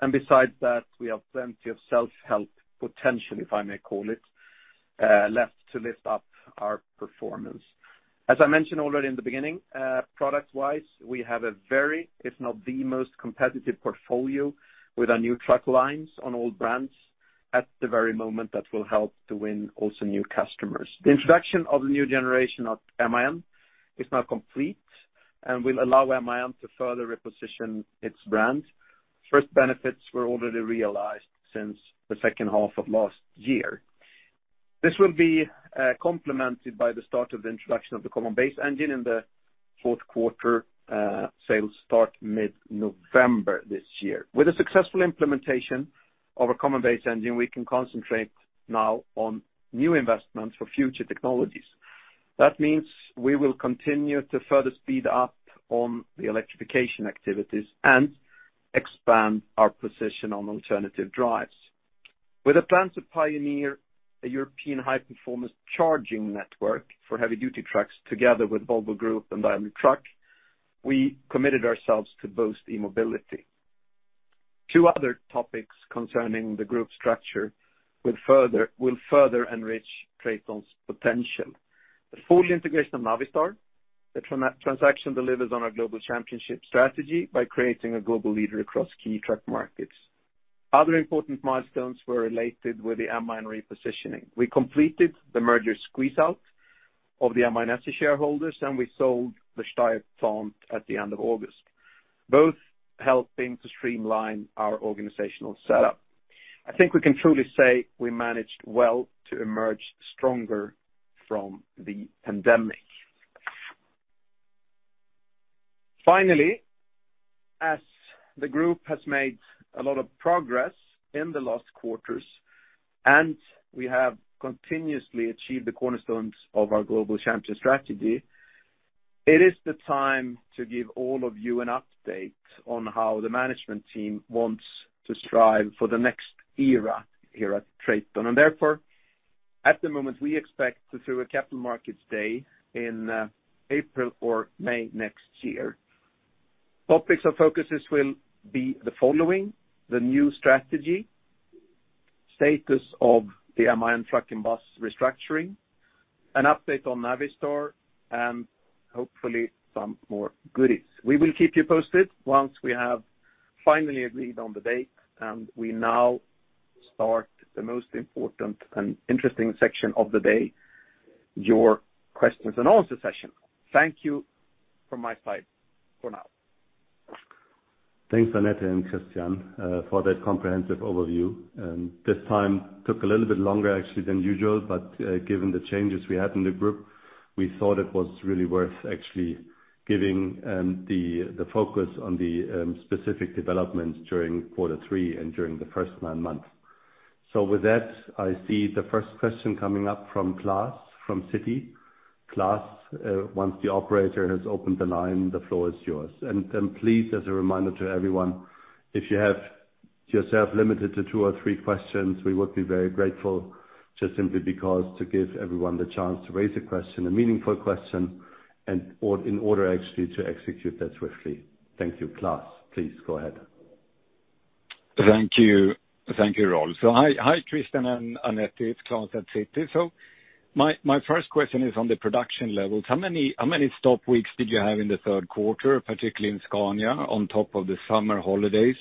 Besides that, we have plenty of self-help potential, if I may call it, left to lift up our performance. As I mentioned already in the beginning, product-wise, we have a very, if not the most competitive portfolio with our new truck lines on all brands at the very moment that will help to win also new customers. The introduction of the new generation of MAN is now complete and will allow MAN to further reposition its brand. First benefits were already realized since the second half of last year. This will be complemented by the start of the introduction of the common base engine in the fourth quarter, sales start mid-November this year. With the successful implementation of a common base engine, we can concentrate now on new investments for future technologies. That means we will continue to further speed up on the electrification activities and expand our position on alternative drives. With the plan to pioneer a European high-performance charging network for heavy-duty trucks together with Volvo Group and Daimler Truck, we committed ourselves to boost e-mobility. Two other topics concerning the group structure will further enrich TRATON's potential. The full integration of Navistar, the transaction delivers on our Global Champion strategy by creating a global leader across key truck markets. Other important milestones were related with the MAN repositioning. We completed the merger squeeze-out of the MAN asset shareholders, and we sold the Steyr plant at the end of August, both helping to streamline our organizational setup. I think we can truly say we managed well to emerge stronger from the pandemic. Finally, as the group has made a lot of progress in the last quarters, and we have continuously achieved the cornerstones of our Global Champion strategy, it is the time to give all of you an update on how the management team wants to strive for the next era here at TRATON. At the moment, we expect to throw a Capital Markets Day in April or May next year. Topics of focuses will be the following, the new strategy, status of the MAN Truck & Bus restructuring, an update on Navistar, and hopefully some more goodies. We will keep you posted once we have finally agreed on the date. We now start the most important and interesting section of the day, your questions and answer session. Thank you from my side for now. Thanks, Annette and Christian, for that comprehensive overview. This time took a little bit longer actually than usual, but given the changes we had in the group, we thought it was really worth actually giving the focus on the specific developments during quarter three and during the first nine months. With that, I see the first question coming up from Klas, from Citi. Klas, once the operator has opened the line, the floor is yours. Please, as a reminder to everyone, if you have yourself limited to two or three questions, we would be very grateful, just simply because to give everyone the chance to raise a question, a meaningful question, and or in order actually to execute that swiftly. Thank you. Klas, please go ahead. Thank you. Thank you, Rolf. Hi, hi Christian and Annette. It's Klas at Citi. My first question is on the production levels. How many stop weeks did you have in the third quarter, particularly in Scania on top of the summer holidays?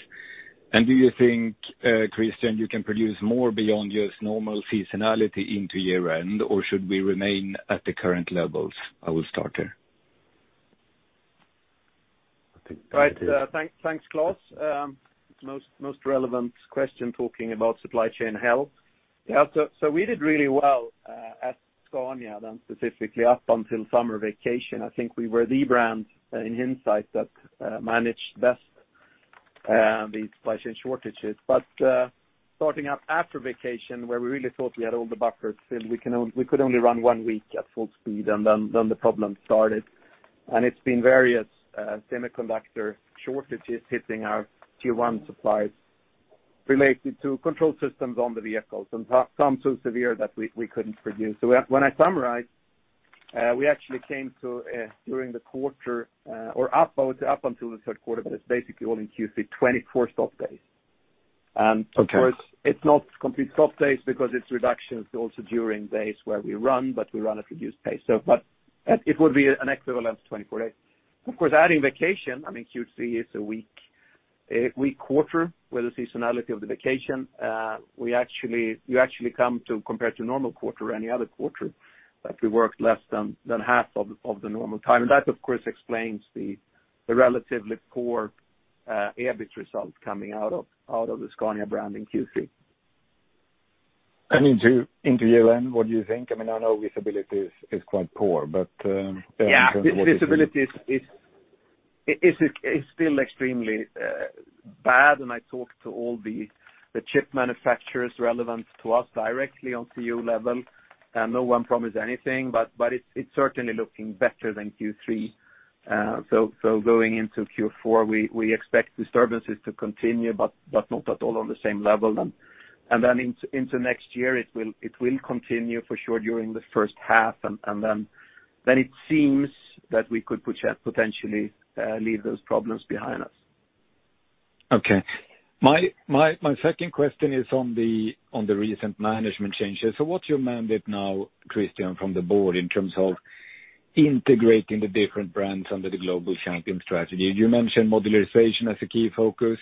Do you think, Christian, you can produce more beyond just normal seasonality into year-end, or should we remain at the current levels? I will start there. I think- Right. Thanks, Klas. It's the most relevant question talking about supply chain health. Yeah. We did really well at Scania, specifically up until summer vacation. I think we were the brand in hindsight that managed best the supply chain shortages. Starting up after vacation, where we really thought we had all the buffers filled, we could only run one week at full speed, and then the problem started. It's been various semiconductor shortages hitting our tier one suppliers related to control systems on the vehicles, and some so severe that we couldn't produce. When I summarize, we actually came to during the quarter or up until the third quarter, but it's basically all in Q3 24 stop days. Okay. Of course, it's not complete stop days because it's reductions also during days where we run, but we run at reduced pace. It would be an equivalent of 24 days. Of course, adding vacation, I mean, Q3 is a weak quarter with the seasonality of the vacation. You actually come to compare to normal quarter or any other quarter that we worked less than half of the normal time. That, of course, explains the relatively poor EBIT results coming out of the Scania brand in Q3. Into year-end, what do you think? I mean, I know visibility is quite poor, but in terms of what you- Yeah. Visibility is still extremely bad. I talked to all the chip manufacturers relevant to us directly on CEO level. No one promised anything, but it's certainly looking better than Q3. Going into Q4, we expect disturbances to continue, but not at all on the same level. Into next year, it will continue for sure during the first half, and then it seems that we could potentially leave those problems behind us. Okay. My second question is on the recent management changes. What's your mandate now, Christian, from the board in terms of integrating the different brands under the Global Champion strategy? You mentioned modularization as a key focus.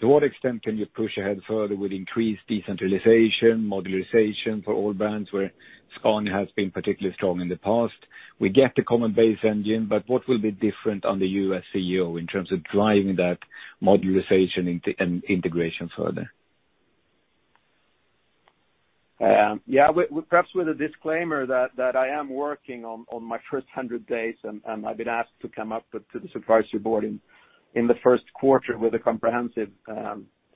To what extent can you push ahead further with increased decentralization, modularization for all brands where Scania has been particularly strong in the past? We get the common base engine, but what will be different on the U.S. CEO in terms of driving that modularization integration further? Yeah. With perhaps a disclaimer that I am working on my first 100 days, and I've been asked to come up with to the supervisory board in the first quarter with a comprehensive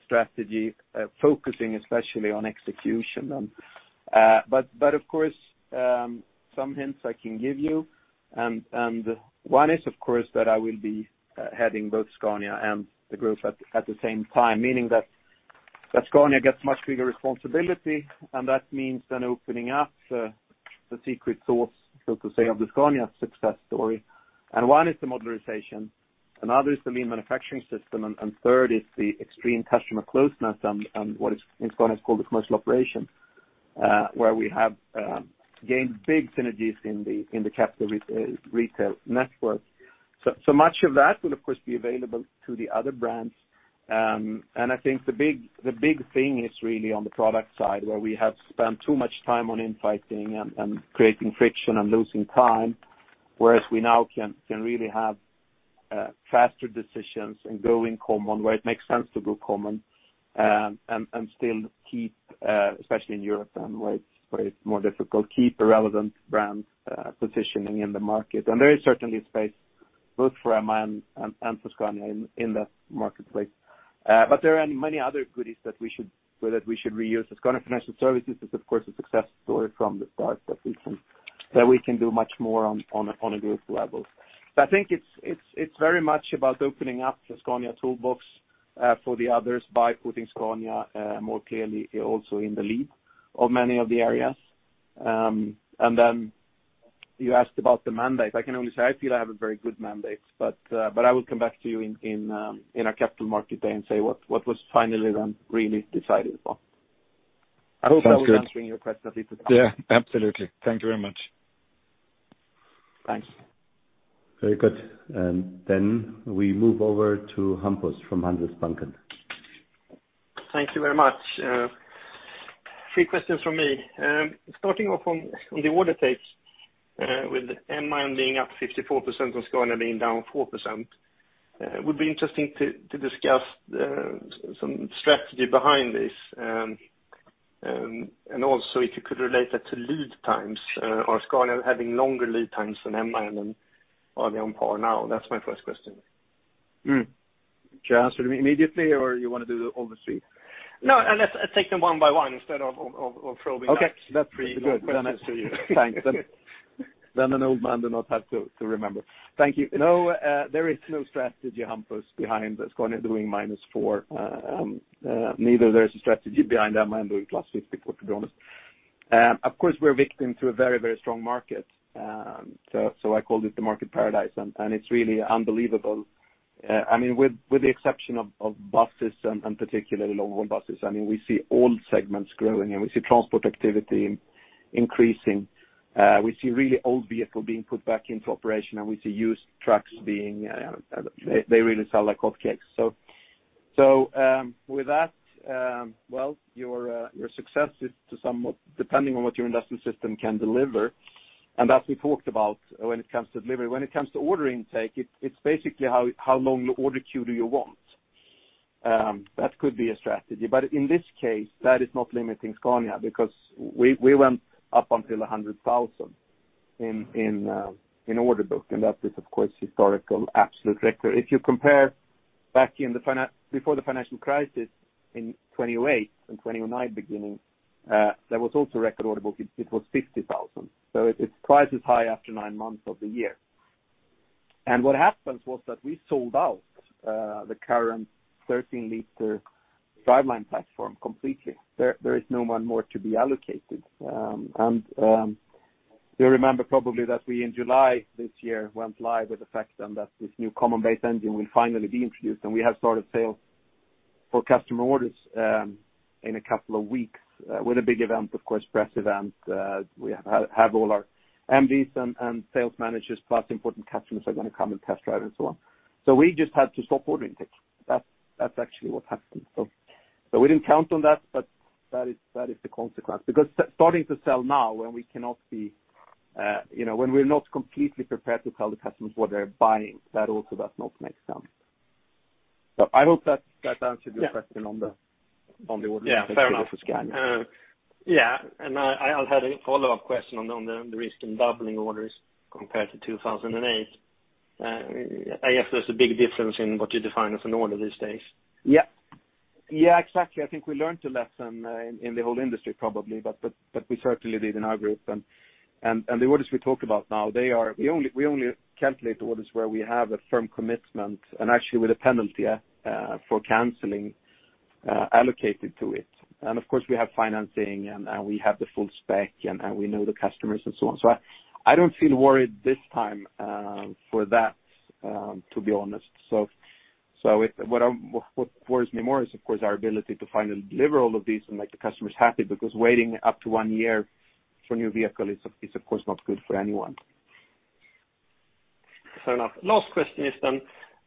strategy focusing especially on execution. Of course, some hints I can give you, and one is, of course, that I will be heading both Scania and the group at the same time, meaning that Scania gets much bigger responsibility, and that means then opening up the secret sauce, so to say, of the Scania success story. One is the modularization, another is the lean manufacturing system, and third is the extreme customer closeness and what, in Scania, is called the commercial operation, where we have gained big synergies in the retail network. Much of that will, of course, be available to the other brands. I think the big thing is really on the product side, where we have spent too much time on infighting and creating friction and losing time, whereas we now can really have faster decisions and go in common where it makes sense to go common, and still keep, especially in Europe then, where it's more difficult, the relevant brands positioning in the market. There is certainly space both for MAN and for Scania in that marketplace. But there are many other goodies that we should reuse. The Scania Financial Services is, of course, a success story from the start that we can do much more on a group level. But I think it's very much about opening up the Scania toolbox for the others by putting Scania more clearly also in the lead of many of the areas. Then you asked about the mandate. I can only say I feel I have a very good mandate, but I will come back to you in our Capital Markets Day and say what was finally then really decided upon. Sounds good. I hope I was answering your question at least at some point. Yeah, absolutely. Thank you very much. Thanks. Very good. We move over to Hampus from Handelsbanken. Thank you very much. Three questions from me. Starting off on the order intake, with MAN being up 54% and Scania being down 4%, would be interesting to discuss some strategy behind this. Also if you could relate that to lead times, are Scania having longer lead times than MAN or are they on par now? That's my first question. Should I answer them immediately or you wanna do all the three? No, let's take them one by one instead of throwing- Okay. three long questions to you. Thanks. An old man does not have to remember. Thank you. No, there is no strategy, Hampus, behind Scania doing -4%. Neither there's a strategy behind MAN doing +54%, to be honest. Of course, we're victim to a very, very strong market. I called it the market paradise, and it's really unbelievable. I mean, with the exception of buses and particularly long-haul buses, I mean, we see all segments growing and we see transport activity increasing. We see really old vehicle being put back into operation, and we see used trucks they really sell like hotcakes. With that, well, your success is somewhat depending on what your investment system can deliver. As we talked about when it comes to delivery, when it comes to order intake, it's basically how long order queue do you want. That could be a strategy, but in this case, that is not limiting Scania because we went up until 100,000 in order book, and that is of course historical absolute record. If you compare back before the financial crisis in 2008 and 2009 beginning, there was also record order book. It was 50,000. It's twice as high after nine months of the year. What happens was that we sold out the current 13 L driveline platform completely. There is no more to be allocated. You remember probably that we in July this year went live with the fact then that this new common base engine will finally be introduced, and we have started sales for customer orders, in a couple of weeks, with a big event, of course, press event. We have all our MDs and sales managers, plus important customers are gonna come and test drive and so on. We just had to stop order intake. That's actually what happened. We didn't count on that, but that is the consequence. Because starting to sell now when we cannot be, when we're not completely prepared to tell the customers what they're buying, that also does not make sense. I hope that that answered your question. Yeah. on the order intake for Scania. Yeah, fair enough. Yeah, I had a follow-up question on the risk in doubling orders compared to 2008. I guess there's a big difference in what you define as an order these days. Yeah. Yeah, exactly. I think we learned a lesson in the whole industry probably, but we certainly did in our group. The orders we talk about now, they are. We only calculate orders where we have a firm commitment and actually with a penalty for canceling allocated to it. Of course, we have financing and we have the full spec and we know the customers and so on. I don't feel worried this time for that, to be honest. What worries me more is of course our ability to finally deliver all of these and make the customers happy because waiting up to one year for a new vehicle is of course not good for anyone. Fair enough. Last question is on,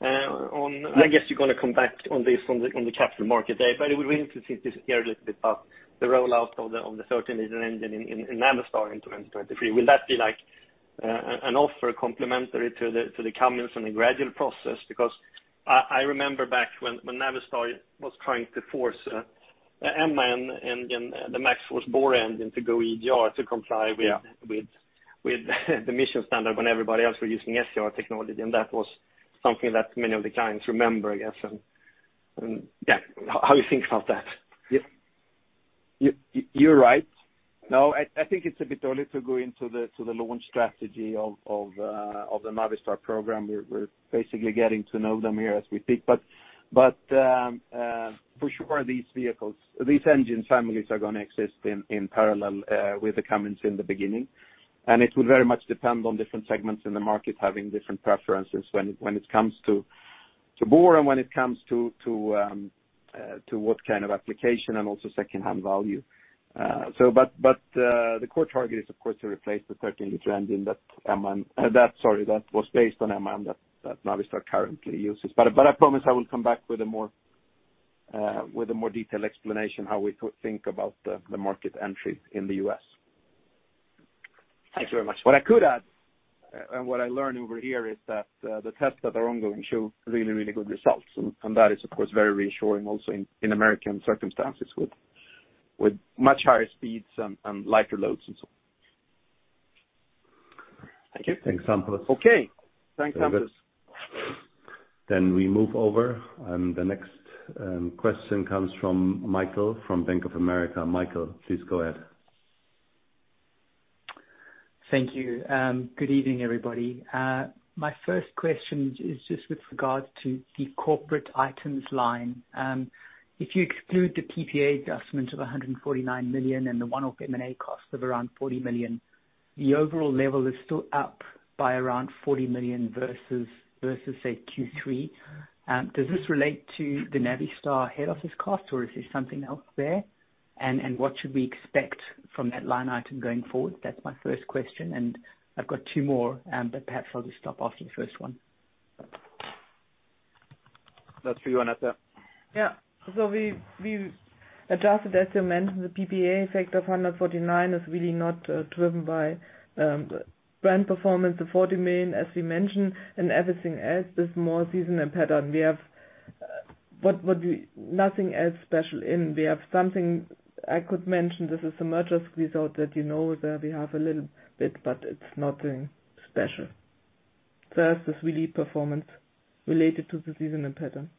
I guess you're gonna come back on this on the Capital Markets Day, but it would be interesting to hear a little bit about the rollout of the 13 L engine in Navistar into 2023. Will that be like an offer complementary to the Cummins and a gradual process? Because I remember back when Navistar was trying to force the MAN engine, the MaxxForce bore engine to go EGR to comply with- Yeah. with the emission standard when everybody else were using SCR technology, and that was something that many of the clients remember, I guess. Yeah, how do you think about that? Yeah. You're right. Now, I think it's a bit early to go into the launch strategy of the Navistar program. We're basically getting to know them here as we speak. For sure these vehicles, these engine families are gonna exist in parallel with the Cummins in the beginning. It will very much depend on different segments in the market having different preferences when it comes to bore and when it comes to what kind of application and also secondhand value. The core target is of course to replace the 13 L engine that was based on MAN that Navistar currently uses. I promise I will come back with a more detailed explanation how we think about the market entry in the U.S. Thank you very much. What I could add, and what I learned over here is that the tests that are ongoing show really, really good results. That is of course very reassuring also in American circumstances with much higher speeds and lighter loads and so on. Thank you. Thanks, Hampus. Okay. Thanks, Hampus. We move over, and the next question comes from Michael from Bank of America. Michael, please go ahead. Thank you. Good evening, everybody. My first question is just with regards to the corporate items line. If you exclude the PPA adjustment of 149 million and the one-off M&A cost of around 40 million, the overall level is still up by around 40 million versus say Q3. Does this relate to the Navistar head office cost or is there something else there? What should we expect from that line item going forward? That's my first question, and I've got two more, but perhaps I'll just stop after the first one. That's for you, Annette. We adjusted, as you mentioned, the PPA effect of 149 million is really not driven by brand performance. The 40 million, as we mentioned, and everything else is more seasonal pattern. We have nothing else special in. We have something I could mention, this is a merger result that you know we have a little bit, but it's nothing special. First, it's really performance related to the seasonal pattern.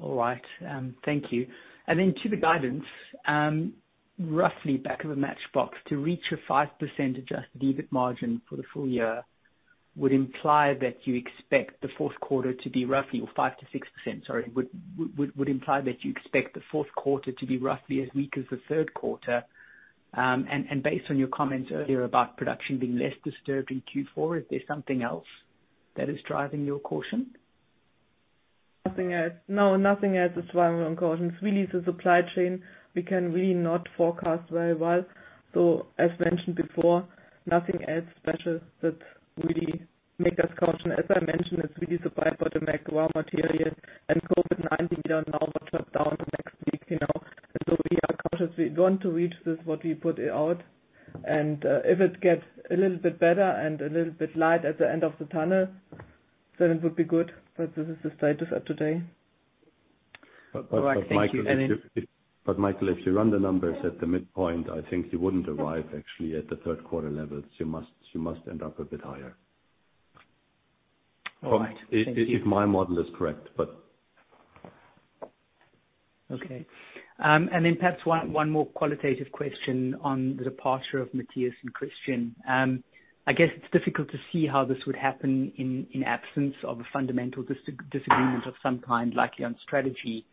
All right. Thank you. Then to the guidance, roughly back of the envelope to reach a 5% adjusted EBIT margin for the full year would imply that you expect the fourth quarter to be roughly 5%-6%. Would imply that you expect the fourth quarter to be roughly as weak as the third quarter. Based on your comments earlier about production being less disturbed in Q4, is there something else that is driving your caution? Nothing else. No, nothing else is driving our cautions. Really, the supply chain, we can really not forecast very well. As mentioned before, nothing else special that really make us caution. As I mentioned, it's really supply for the macro raw material and COVID-19 here now will shut down next week, you know. We are cautious. We want to reach this, what we put it out. If it gets a little bit better and a little bit light at the end of the tunnel, then it would be good. This is the status of today. All right. Thank you. Any- Michael, if you run the numbers at the midpoint, I think you wouldn't arrive actually at the third quarter levels. You must end up a bit higher. All right. Thank you. If my model is correct, but. Perhaps one more qualitative question on the departure of Matthias and Christian. I guess it's difficult to see how this would happen in absence of a fundamental disagreement of some kind, likely on strategy.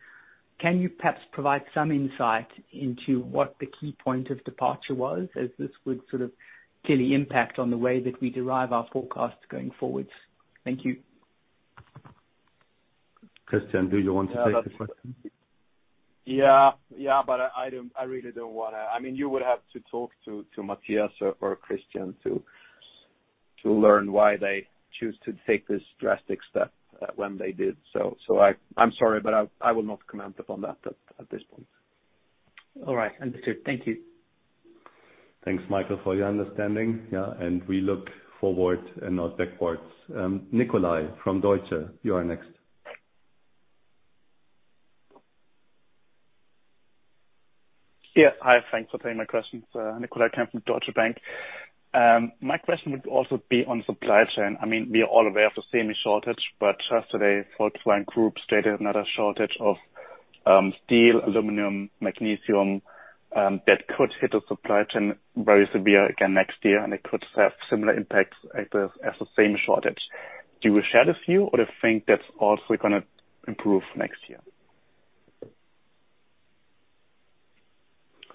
Can you perhaps provide some insight into what the key point of departure was, as this would sort of clearly impact on the way that we derive our forecasts going forwards? Thank you. Christian, do you want to take the question? Yeah. Yeah, but I don't, I really don't wanna. I mean, you would have to talk to Matthias or Christian to learn why they choose to take this drastic step, when they did. I'm sorry, but I will not comment upon that at this point. All right. Understood. Thank you. Thanks, Michael, for your understanding. Yeah, we look forward and not backwards. Nicolai from Deutsche, you are next. Yeah. Hi, thanks for taking my questions. Nicolai Kempf from Deutsche Bank. My question would also be on supply chain. I mean, we are all aware of the semi shortage, but yesterday, Volkswagen Group stated another shortage of steel, aluminum, magnesium that could hit the supply chain very severe again next year, and it could have similar impacts as the semi shortage. Do you share this view, or you think that's also gonna improve next year?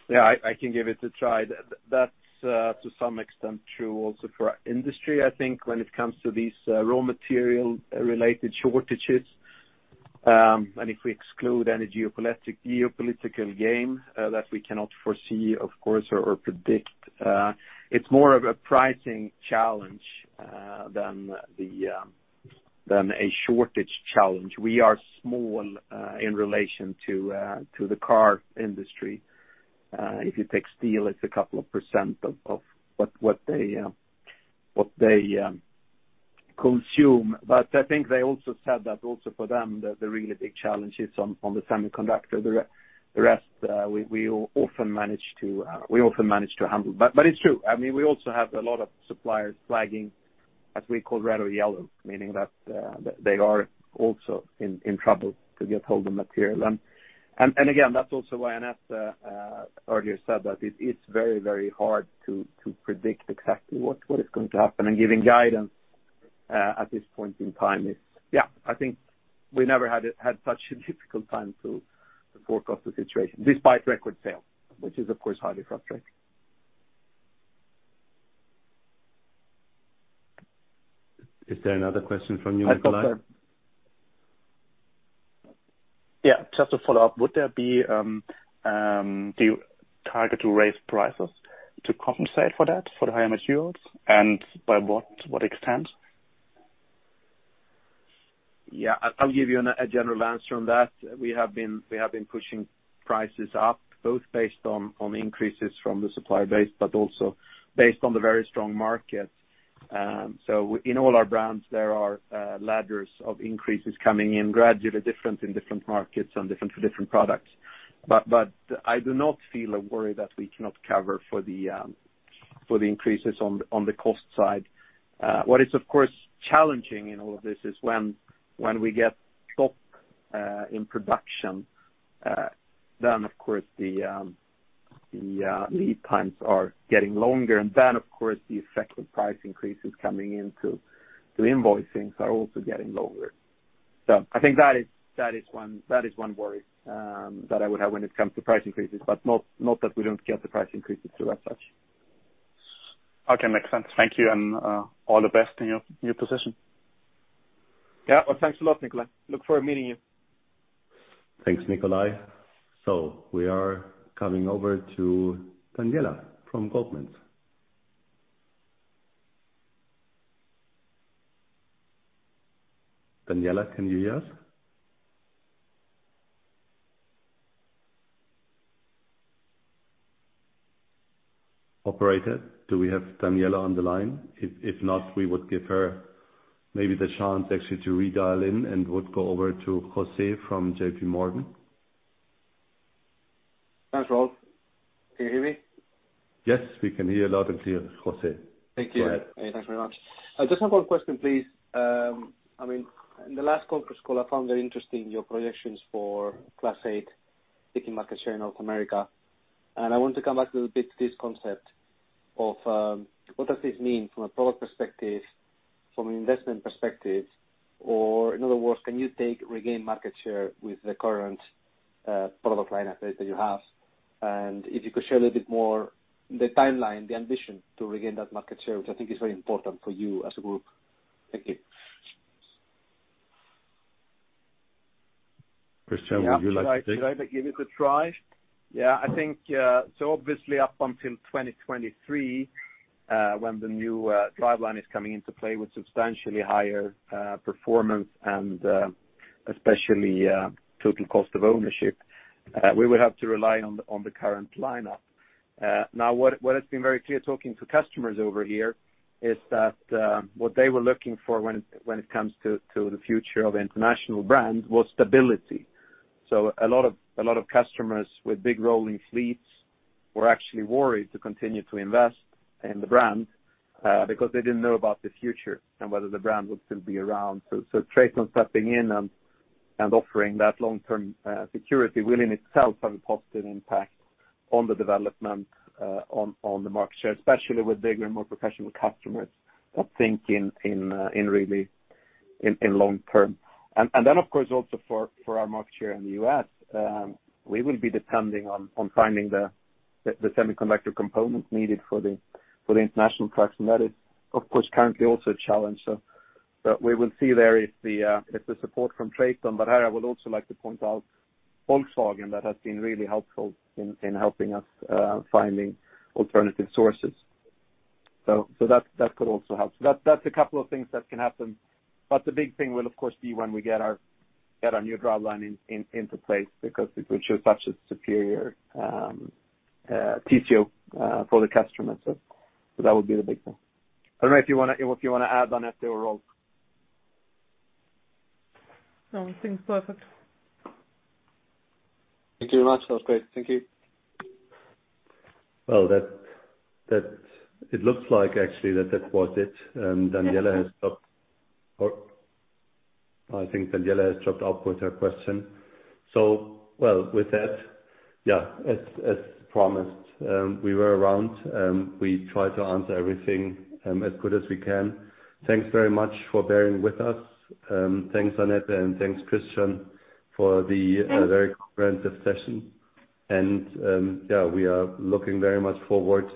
Yeah, I can give it a try. That's to some extent true also for our industry, I think, when it comes to these raw material related shortages. If we exclude any geopolitical game that we cannot foresee, of course, or predict, it's more of a pricing challenge than a shortage challenge. We are small in relation to the car industry. If you take steel, it's a couple of percent of what they consume. But I think they also said that also for them, the really big challenge is on the semiconductor. The rest we often manage to handle. But it's true. I mean, we also have a lot of suppliers flagging, as we call red or yellow, meaning that they are also in trouble to get hold of material. Again, that's also why Annette earlier said that it is very, very hard to predict exactly what is going to happen and giving guidance at this point in time is, yeah, I think we never had such a difficult time to forecast the situation despite record sales, which is of course highly frustrating. Is there another question from you, Nicolai? Yeah, just to follow up, would there be, do you target to raise prices to compensate for that, for the higher materials, and by what extent? Yeah. I'll give you a general answer on that. We have been pushing prices up both based on increases from the supplier base but also based on the very strong market. In all our brands, there are ladders of increases coming in gradually different in different markets and different for different products. I do not feel a worry that we cannot cover for the increases on the cost side. What is of course challenging in all of this is when we get stuck in production, then of course the lead times are getting longer, and then, of course, the effect of price increases coming into the invoicing are also getting lower. I think that is one worry that I would have when it comes to price increases, but not that we don't get the price increases through as such. Okay. Makes sense. Thank you, and all the best in your position. Yeah. Well, thanks a lot, Nicolai. I look forward to meeting you. Thanks, Nicolai. We are coming over to Daniela from Goldman. Daniela, can you hear us? Operator, do we have Daniela on the line? If not, we would give her maybe the chance actually to redial in and would go over to José from JPMorgan. Thanks, Rolf. Can you hear me? Yes, we can hear loud and clear, José. Go ahead. Thank you. Thanks very much. I just have one question, please. I mean, in the last conference call, I found very interesting your projections for Class 8 taking market share in North America. I want to come back a little bit to this concept of, what does this mean from a product perspective, from an investment perspective, or in other words, can you regain market share with the current, product line update that you have? If you could share a little bit more the timeline, the ambition to regain that market share, which I think is very important for you as a group. Thank you. Christian, would you like to take? Yeah. Can I give it a try? Yeah, I think, obviously up until 2023, when the new driveline is coming into play with substantially higher performance and especially total cost of ownership, we would have to rely on the current lineup. Now, what has been very clear talking to customers over here is that what they were looking for when it comes to the future of International brand was stability. A lot of customers with big rolling fleets were actually worried to continue to invest in the brand, because they didn't know about the future and whether the brand would still be around. TRATON stepping in and offering that long-term security will in itself have a positive impact on the development on the market share, especially with bigger and more professional customers that think in really long term. Of course also for our market share in the U.S., we will be depending on finding the semiconductor components needed for the International trucks. That is, of course, currently also a challenge. We will see there if the support from TRATON. I would also like to point out Volkswagen that has been really helpful in helping us finding alternative sources. That could also help. That, that's a couple of things that can happen, but the big thing will of course be when we get our new driveline into place because it will show such a superior TCO for the customer. That would be the big thing. I don't know if you wanna add on it, Rolf. No, I think it's perfect. Thank you very much. That was great. Thank you. Well, it looks like actually that was it. I think Daniela has dropped out with her question. With that, yeah, as promised, we were around, we tried to answer everything as good as we can. Thanks very much for bearing with us. Thanks, Annette, and thanks Christian for the very comprehensive session. Yeah, we are looking very much forward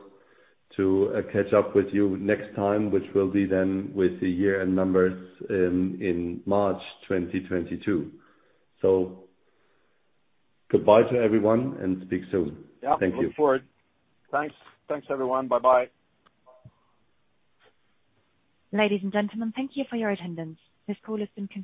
to catch up with you next time, which will be then with the year-end numbers in March 2022. Goodbye to everyone and speak soon. Yeah. Thank you. Looking forward. Thanks. Thanks, everyone. Bye bye. Ladies and gentlemen, thank you for your attendance. This call has been concluded.